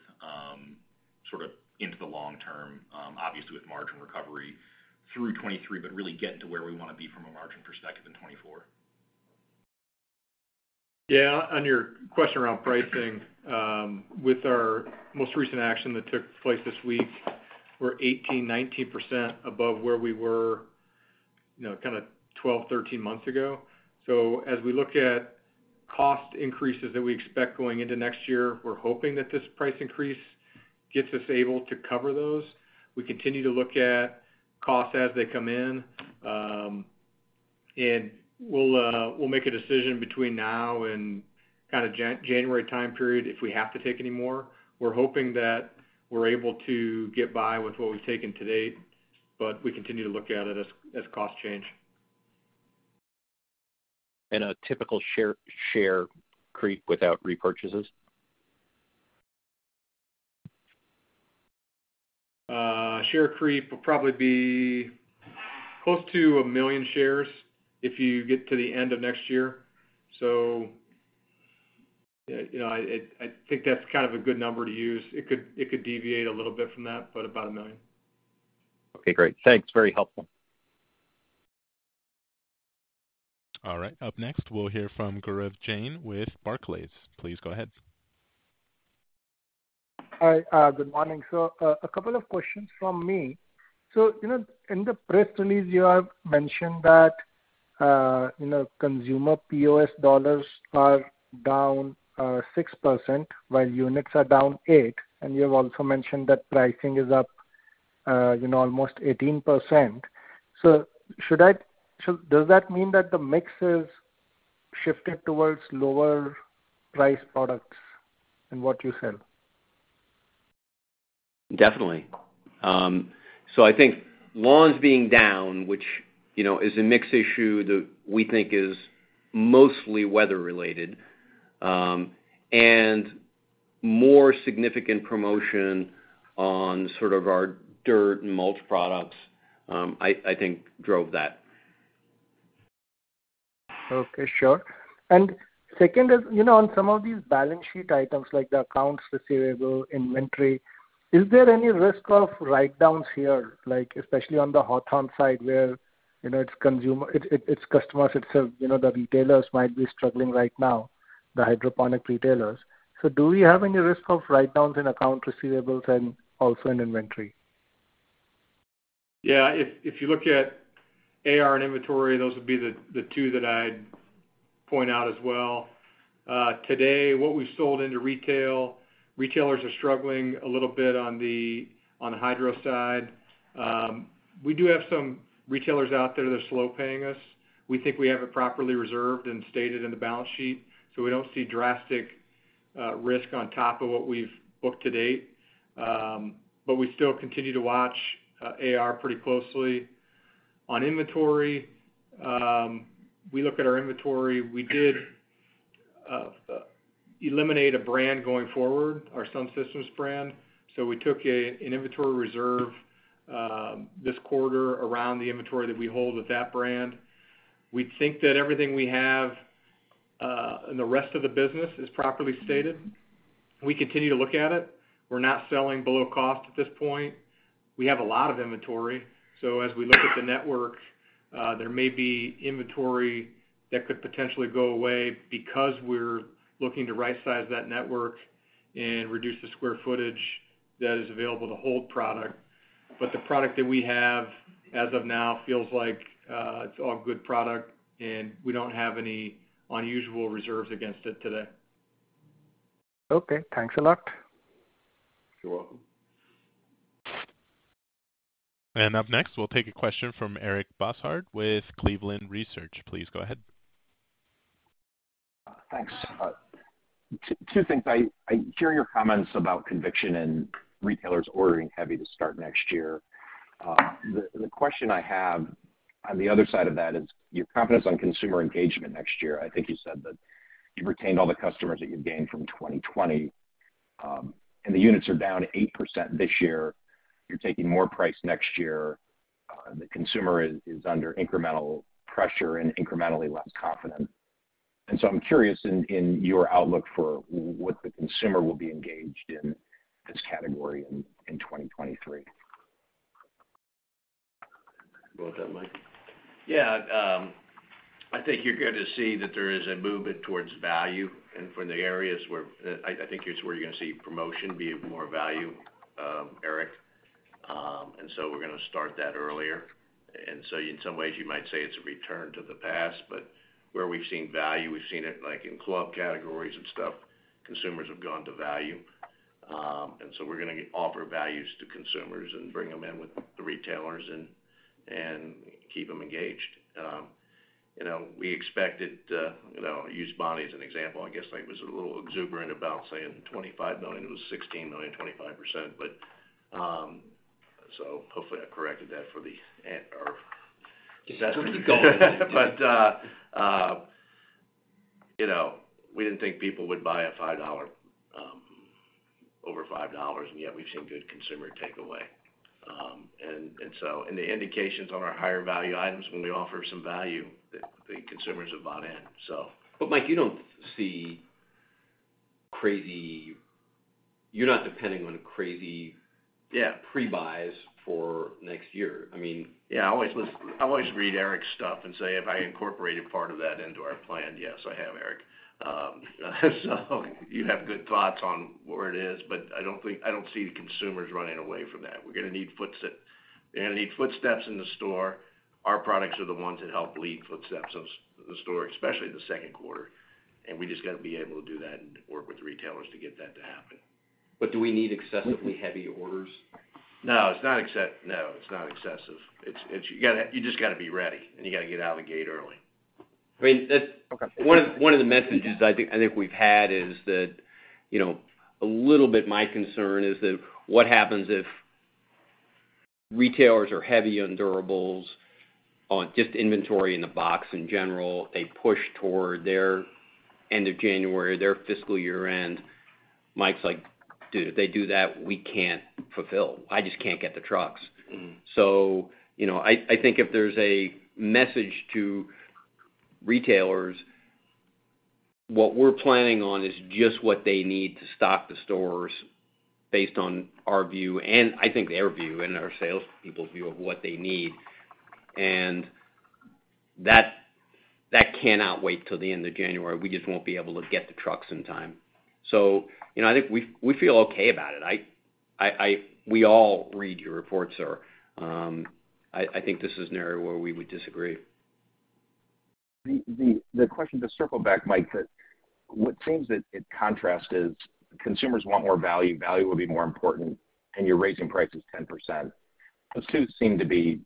sort of into the long term, obviously with margin recovery through 2023, but really getting to where we wanna be from a margin perspective in 2024. Yeah. On your question around pricing, with our most recent action that took place this week, we're 18%-19% above where we were, you know, kinda 12-13 months ago. As we look at cost increases that we expect going into next year, we're hoping that this price increase gets us able to cover those. We continue to look at costs as they come in. We'll make a decision between now and kinda January time period if we have to take any more. We're hoping that we're able to get by with what we've taken to date, but we continue to look at it as costs change. In a typical share creep without repurchases. Share creep will probably be close to 1 million shares if you get to the end of next year. You know, I think that's kind of a good number to use. It could deviate a little bit from that, but about 1 million. Okay, great. Thanks. Very helpful. All right. Up next, we'll hear from Gaurav Jain with Barclays. Please go ahead. Hi. Good morning, sir. A couple of questions from me. You know, in the press release, you have mentioned that consumer POS dollars are down 6%, while units are down 8%. You have also mentioned that pricing is up, you know, almost 18%. Does that mean that the mix has shifted towards lower priced products in what you sell? Definitely. I think lawns being down, which, you know, is a mix issue that we think is mostly weather-related, and more significant promotion on sort of our dirt and mulch products, I think drove that. Okay, sure. Second is, you know, on some of these balance sheet items like the accounts receivable, inventory, is there any risk of write-downs here, like especially on the Hawthorne side where, you know, it's customers itself, you know, the retailers might be struggling right now, the hydroponic retailers. Do we have any risk of write-downs in accounts receivable and also in inventory? Yeah. If you look at AR and inventory, those would be the two that I'd point out as well, today what we've sold into retail. Retailers are struggling a little bit on the hydro side. We do have some retailers out there that are slow paying us. We think we have it properly reserved and stated in the balance sheet, so we don't see drastic risk on top of what we've booked to date. We still continue to watch AR pretty closely. On inventory, we look at our inventory. We did eliminate a brand going forward, our Sun Systems brand. We took an inventory reserve this quarter around the inventory that we hold with that brand. We think that everything we have in the rest of the business is properly stated. We continue to look at it. We're not selling below cost at this point. We have a lot of inventory. As we look at the network, there may be inventory that could potentially go away because we're looking to right-size that network and reduce the square footage that is available to hold product. The product that we have as of now feels like, it's all good product, and we don't have any unusual reserves against it today. Okay, thanks a lot. You're welcome. Up next, we'll take a question from Eric Bosshard with Cleveland Research. Please go ahead. Thanks. Two things. I hear your comments about conviction and retailers ordering heavy to start next year. The question I have on the other side of that is your confidence on consumer engagement next year. I think you said that you've retained all the customers that you've gained from 2020, and the units are down 8% this year. You're taking more price next year. The consumer is under incremental pressure and incrementally less confident. I'm curious in your outlook for what the consumer will be engaged in this category in 2023. You want that, Mike? Yeah. I think you're going to see that there is a movement towards value and from the areas where I think it's where you're gonna see promotion be of more value, Eric. We're gonna start that earlier. In some ways, you might say it's a return to the past, but where we've seen value, we've seen it like in club categories and stuff, consumers have gone to value. We're gonna offer values to consumers and bring them in with the retailers and keep them engaged. You know, we expected, you know, I use Bonnie as an example. I guess I was a little exuberant about saying $25 million. It was $16 million 25%. Hopefully, I've corrected that for the analyst or investors call. You know, we didn't think people would buy a $5, over $5, and yet we've seen good consumer takeaway. The indications on our higher value items when we offer some value that the consumers have bought in, so. Mike, you don't see crazy. You're not depending on crazy. Pre-buys for next year. I mean-- Yeah, I always read Eric's stuff and say, "Have I incorporated part of that into our plan?" Yes, I have, Eric. You have good thoughts on where it is, but I don't see the consumers running away from that. We're gonna need footsteps in the store. Our products are the ones that help lead footsteps in the store, especially in the second quarter, and we just got to be able to do that and work with the retailers to get that to happen. Do we need excessively heavy orders? No, it's not excessive. You just gotta be ready, and you gotta get out of the gate early. I mean. One of the messages I think we've had is that, you know, a little bit my concern is that what happens if retailers are heavy on durables, on just inventory in the box in general, a push toward their end of January, their fiscal year-end. Mike's like, "Dude, if they do that, we can't fulfill. I just can't get the trucks. You know, I think if there's a message to retailers, what we're planning on is just what they need to stock the stores based on our view, and I think their view and our sales people's view of what they need. That cannot wait till the end of January. We just won't be able to get the trucks in time. You know, I think we feel okay about it. We all read your reports. I think this is an area where we would disagree. The question to circle back, Mike, that what seems that in contrast is consumers want more value will be more important, and you're raising prices 10%. Those two seem to be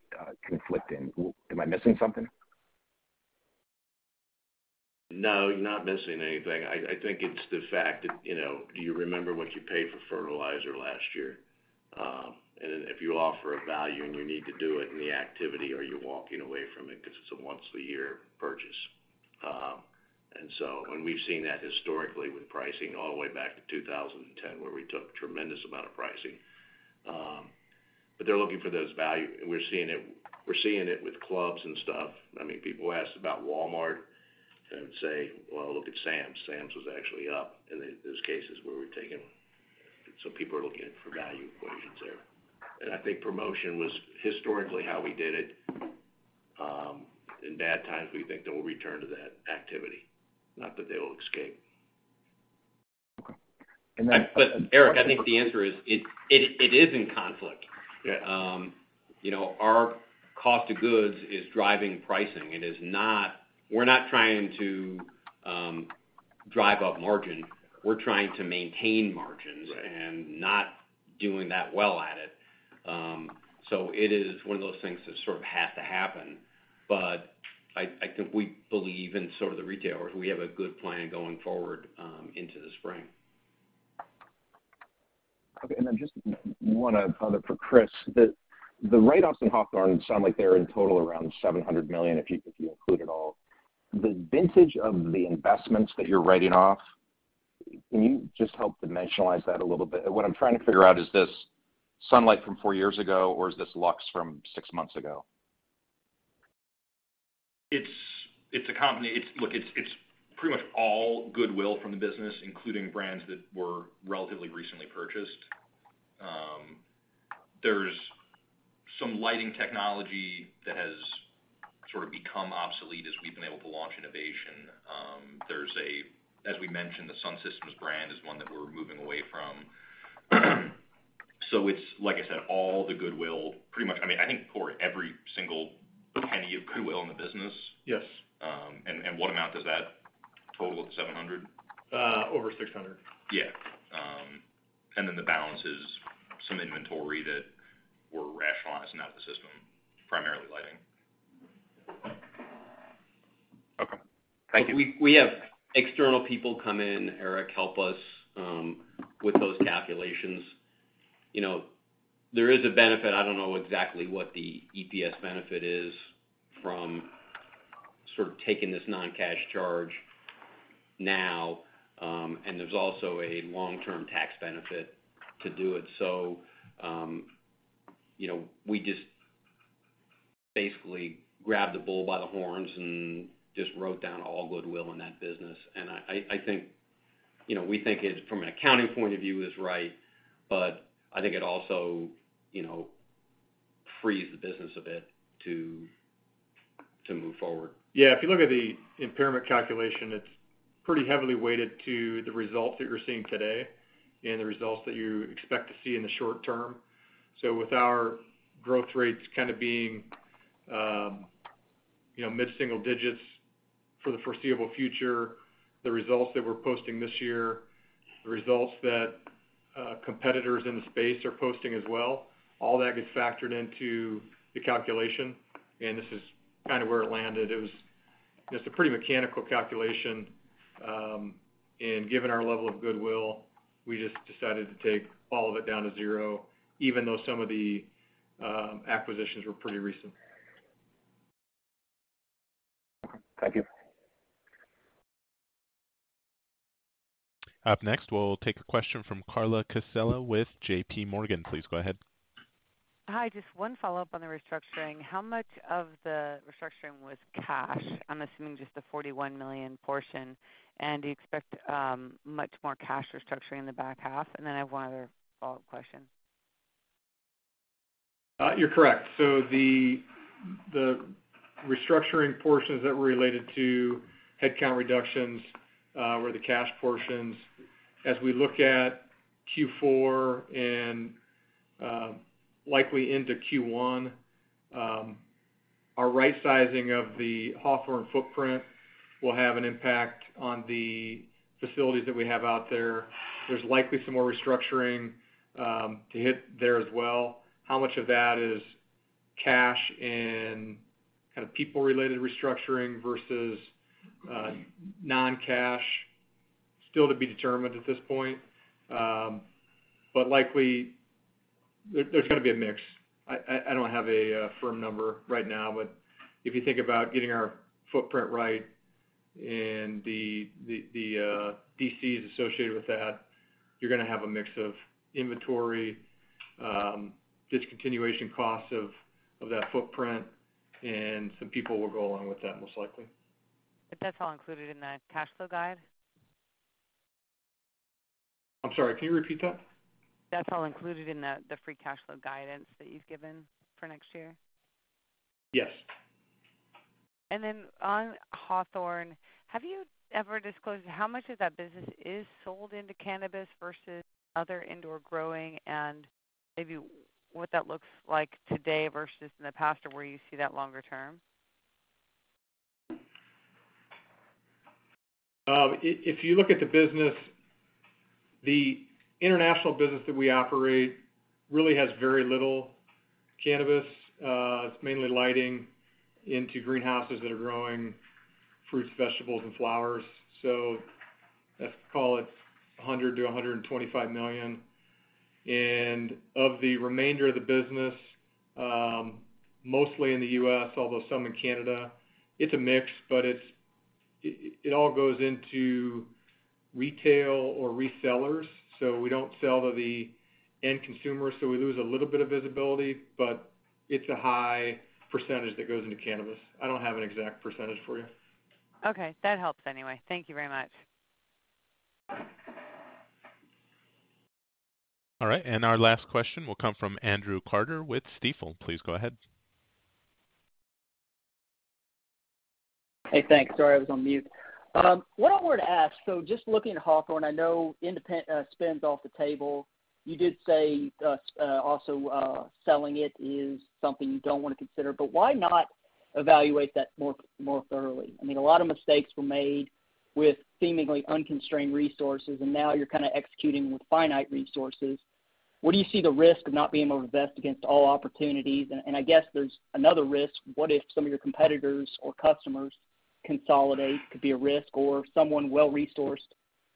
conflicting. Am I missing something? No, you're not missing anything. I think it's the fact that, you know, do you remember what you paid for fertilizer last year? If you offer a value and you need to do it and the activity, are you walking away from it 'cause it's a once a year purchase? We've seen that historically with pricing all the way back to 2010, where we took tremendous amount of pricing. They're looking for those value, and we're seeing it, we're seeing it with clubs and stuff. I mean, people ask about Walmart and say, "Well, look at Sam's." Sam's was actually up in those cases where we're taking. People are looking for value equations there. I think promotion was historically how we did it. In bad times, we think they will return to that activity, not that they will escape. Eric, I think the answer is, it is in conflict. You know, our cost of goods is driving pricing. It is not. We're not trying to drive up margin. We're trying to maintain margins. Not doing that well at it. It is one of those things that sort of has to happen. I think we believe in sort of the retailers. We have a good plan going forward into the spring. Okay. Just one other for Chris. The write-offs in Hawthorne sound like they're in total around $700 million, if you include it all. The vintage of the investments that you're writing off, can you just help dimensionalize that a little bit? What I'm trying to figure out, is this Sunlight from four years ago, or is this Luxx from six months ago? It's a company. Look, it's pretty much all goodwill from the business, including brands that were relatively recently purchased. There's some lighting technology that has sort of become obsolete as we've been able to launch innovation. As we mentioned, the Sun System brand is one that we're moving away from. It's, like I said, all the goodwill, pretty much. I mean, I think for every single penny of goodwill in the business. What amount does that total to $700 million? Over $600 million. Yeah. The balance is some inventory that we're rationalizing out of the system, primarily lighting. Okay. Thank you. We have external people come in, Eric, help us with those calculations. You know, there is a benefit, I don't know exactly what the EPS benefit is from sort of taking this non-cash charge now, and there's also a long-term tax benefit to do it. You know, we just basically grabbed the bull by the horns and just wrote down all goodwill in that business. I think, you know, we think it from an accounting point of view is right, but I think it also, you know, frees the business a bit to move forward. Yeah. If you look at the impairment calculation, it's pretty heavily weighted to the result that you're seeing today and the results that you expect to see in the short term. With our growth rates kind of being, you know, mid-single digits for the foreseeable future, the results that we're posting this year, the results that competitors in the space are posting as well, all that gets factored into the calculation, and this is kind of where it landed. It was just a pretty mechanical calculation. Given our level of goodwill, we just decided to take all of it down to zero, even though some of the acquisitions were pretty recent. Thank you. Up next, we'll take a question from Carla Casella with JPMorgan. Please go ahead. Hi. Just one follow-up on the restructuring. How much of the restructuring was cash? I'm assuming just the $41 million portion. Do you expect much more cash restructuring in the back half? I have one other follow-up question. You're correct. The restructuring portions that were related to headcount reductions were the cash portions. As we look at Q4 and likely into Q1, our right sizing of the Hawthorne footprint will have an impact on the facilities that we have out there. There's likely some more restructuring to hit there as well. How much of that is cash and kind of people-related restructuring versus non-cash still to be determined at this point. Likely there's gonna be a mix. I don't have a firm number right now, but if you think about getting our footprint right and the DCs associated with that, you're gonna have a mix of inventory discontinuation costs of that footprint, and some people will go along with that, most likely. That's all included in the cash flow guide? I'm sorry, can you repeat that? That's all included in the free cash flow guidance that you've given for next year? Yes. On Hawthorne, have you ever disclosed how much of that business is sold into cannabis versus other indoor growing and maybe what that looks like today versus in the past or where you see that longer term? If you look at the business, the international business that we operate really has very little cannabis. It's mainly lighting into greenhouses that are growing fruits, vegetables, and flowers. Let's call it $100 million-$125 million. Of the remainder of the business, mostly in the U.S., although some in Canada, it's a mix, but it all goes into retail or resellers. We don't sell to the end consumer, so we lose a little bit of visibility, but it's a high percentage that goes into cannabis. I don't have an exact percentage for you. Okay. That helps anyway. Thank you very much. All right. Our last question will come from Andrew Carter with Stifel. Please go ahead. Hey, thanks. Sorry, I was on mute. What I wanted to ask, so just looking at Hawthorne, I know spend's off the table. You did say, selling it is something you don't wanna consider, but why not evaluate that more thoroughly? I mean, a lot of mistakes were made with seemingly unconstrained resources, and now you're kinda executing with finite resources. What do you see the risk of not being able to invest against all opportunities? And I guess there's another risk. What if some of your competitors or customers consolidate could be a risk or someone well-resourced,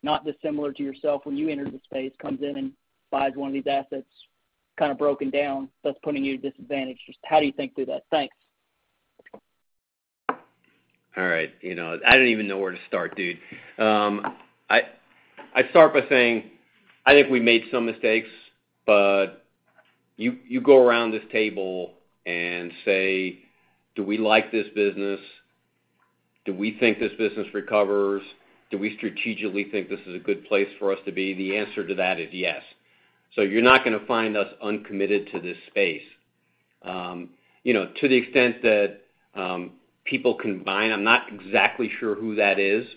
not dissimilar to yourself when you entered the space, comes in and buys one of these assets kinda broken down, thus putting you at a disadvantage. Just how do you think through that? Thanks. All right. You know, I don't even know where to start, dude. I'd start by saying I think we made some mistakes, but you go around this table and say, "Do we like this business? Do we think this business recovers? Do we strategically think this is a good place for us to be?" The answer to that is yes. You're not gonna find us uncommitted to this space. You know, to the extent that people combine, I'm not exactly sure who that is.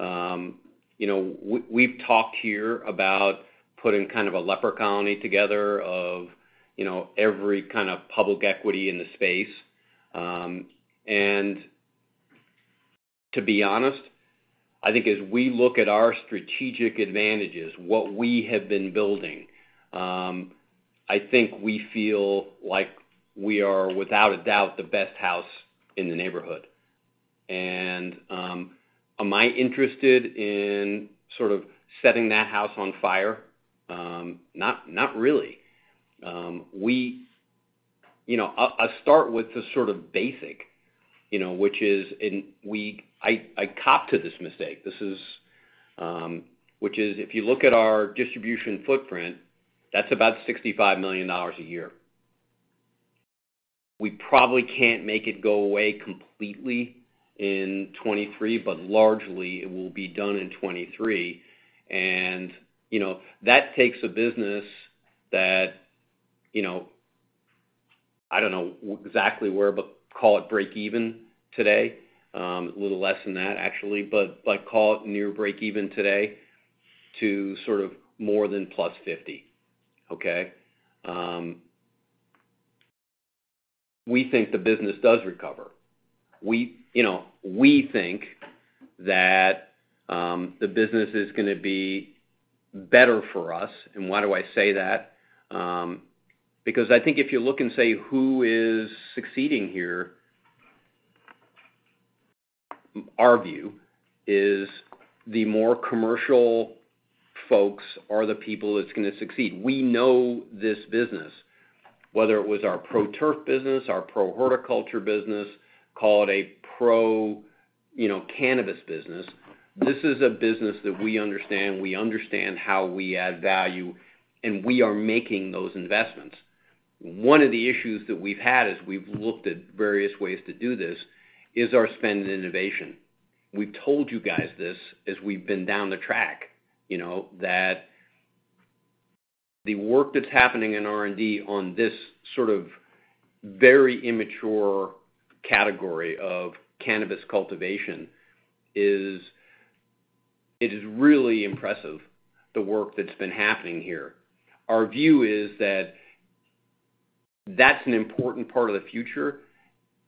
You know, we've talked here about putting kind of a leper colony together of, you know, every kind of public equity in the space. To be honest, I think as we look at our strategic advantages, what we have been building, I think we feel like we are, without a doubt, the best house in the neighborhood. Am I interested in sort of setting that house on fire? Not really. You know, I'll start with the sort of basic, you know, which is I cop to this mistake. This is which is if you look at our distribution footprint, that's about $65 million a year. We probably can't make it go away completely in 2023, but largely it will be done in 2023. You know, that takes a business that, you know, I don't know exactly where, but call it break even today, a little less than that actually, but like, call it near break even today to sort of more than $50 million+, okay? We think the business does recover. We, you know, we think that, the business is gonna be better for us. Why do I say that? Because I think if you look and say who is succeeding here, our view is the more commercial folks are the people that's gonna succeed. We know this business, whether it was our Pro Turf business, our Pro Horticulture business, call it a pro, you know, cannabis business. This is a business that we understand. We understand how we add value, and we are making those investments. One of the issues that we've had is we've looked at various ways to do this, is our spend and innovation. We've told you guys this as we've been down the track, you know, that the work that's happening in R&D on this sort of very immature category of cannabis cultivation is. It is really impressive, the work that's been happening here. Our view is that that's an important part of the future,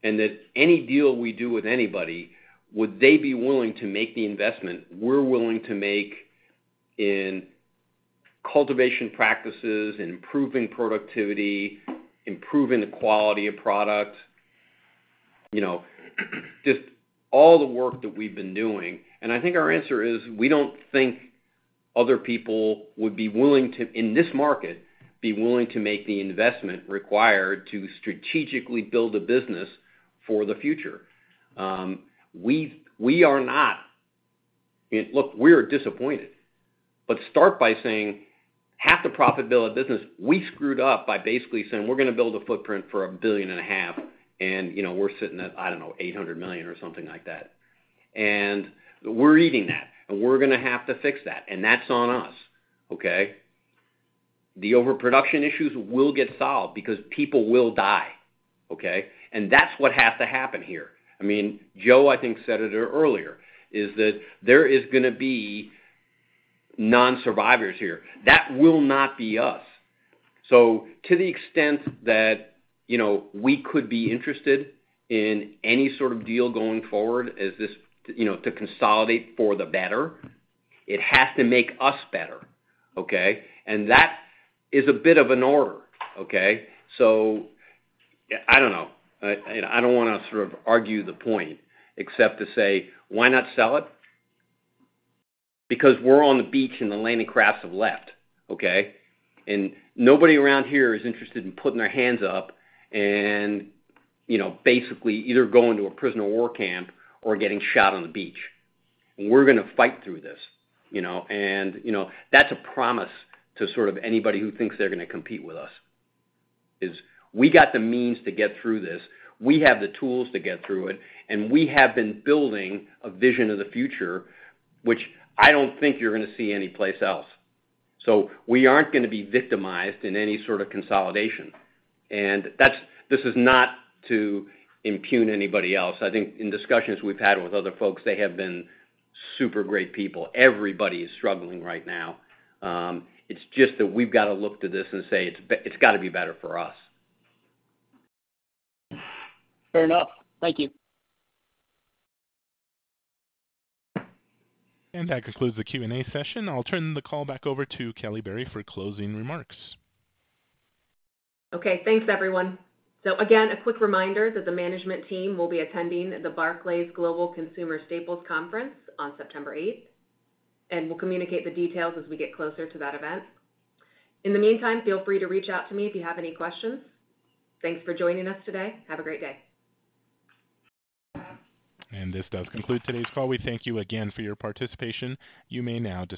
and that any deal we do with anybody, would they be willing to make the investment we're willing to make in cultivation practices, in improving productivity, improving the quality of product, you know, just all the work that we've been doing. I think our answer is we don't think other people would be willing to, in this market, be willing to make the investment required to strategically build a business for the future. Look, we're disappointed, but start by saying half the profitability of business, we screwed up by basically saying, "We're gonna build a footprint for $1.5 billion," and, you know, we're sitting at, I don't know, $800 million or something like that. We're eating that, and we're gonna have to fix that, and that's on us, okay? The overproduction issues will get solved because people will die, okay? That's what has to happen here. I mean, Joe, I think, said it earlier, is that there is gonna be non-survivors here. That will not be us. To the extent that, you know, we could be interested in any sort of deal going forward as this, you know, to consolidate for the better, it has to make us better, okay? That is a bit of an order, okay? I don't know. I, you know, I don't wanna sort of argue the point except to say, "Why not sell it?" We're on the beach and the landing crafts have left, okay? Nobody around here is interested in putting their hands up and, you know, basically either going to a prisoner of war camp or getting shot on the beach. We're gonna fight through this, you know. You know, that's a promise to sort of anybody who thinks they're gonna compete with us, is we got the means to get through this. We have the tools to get through it, and we have been building a vision of the future, which I don't think you're gonna see anyplace else. We aren't gonna be victimized in any sort of consolidation. That's. This is not to impugn anybody else. I think in discussions we've had with other folks, they have been super great people. Everybody is struggling right now. It's just that we've gotta look to this and say it's gotta be better for us. Fair enough. Thank you. That concludes the Q&A session. I'll turn the call back over to Kelly Berry for closing remarks. Okay, thanks everyone. Again, a quick reminder that the management team will be attending the Barclays Global Consumer Staples Conference on September 8th, and we'll communicate the details as we get closer to that event. In the meantime, feel free to reach out to me if you have any questions. Thanks for joining us today. Have a great day. This does conclude today's call. We thank you again for your participation. You may now disconnect.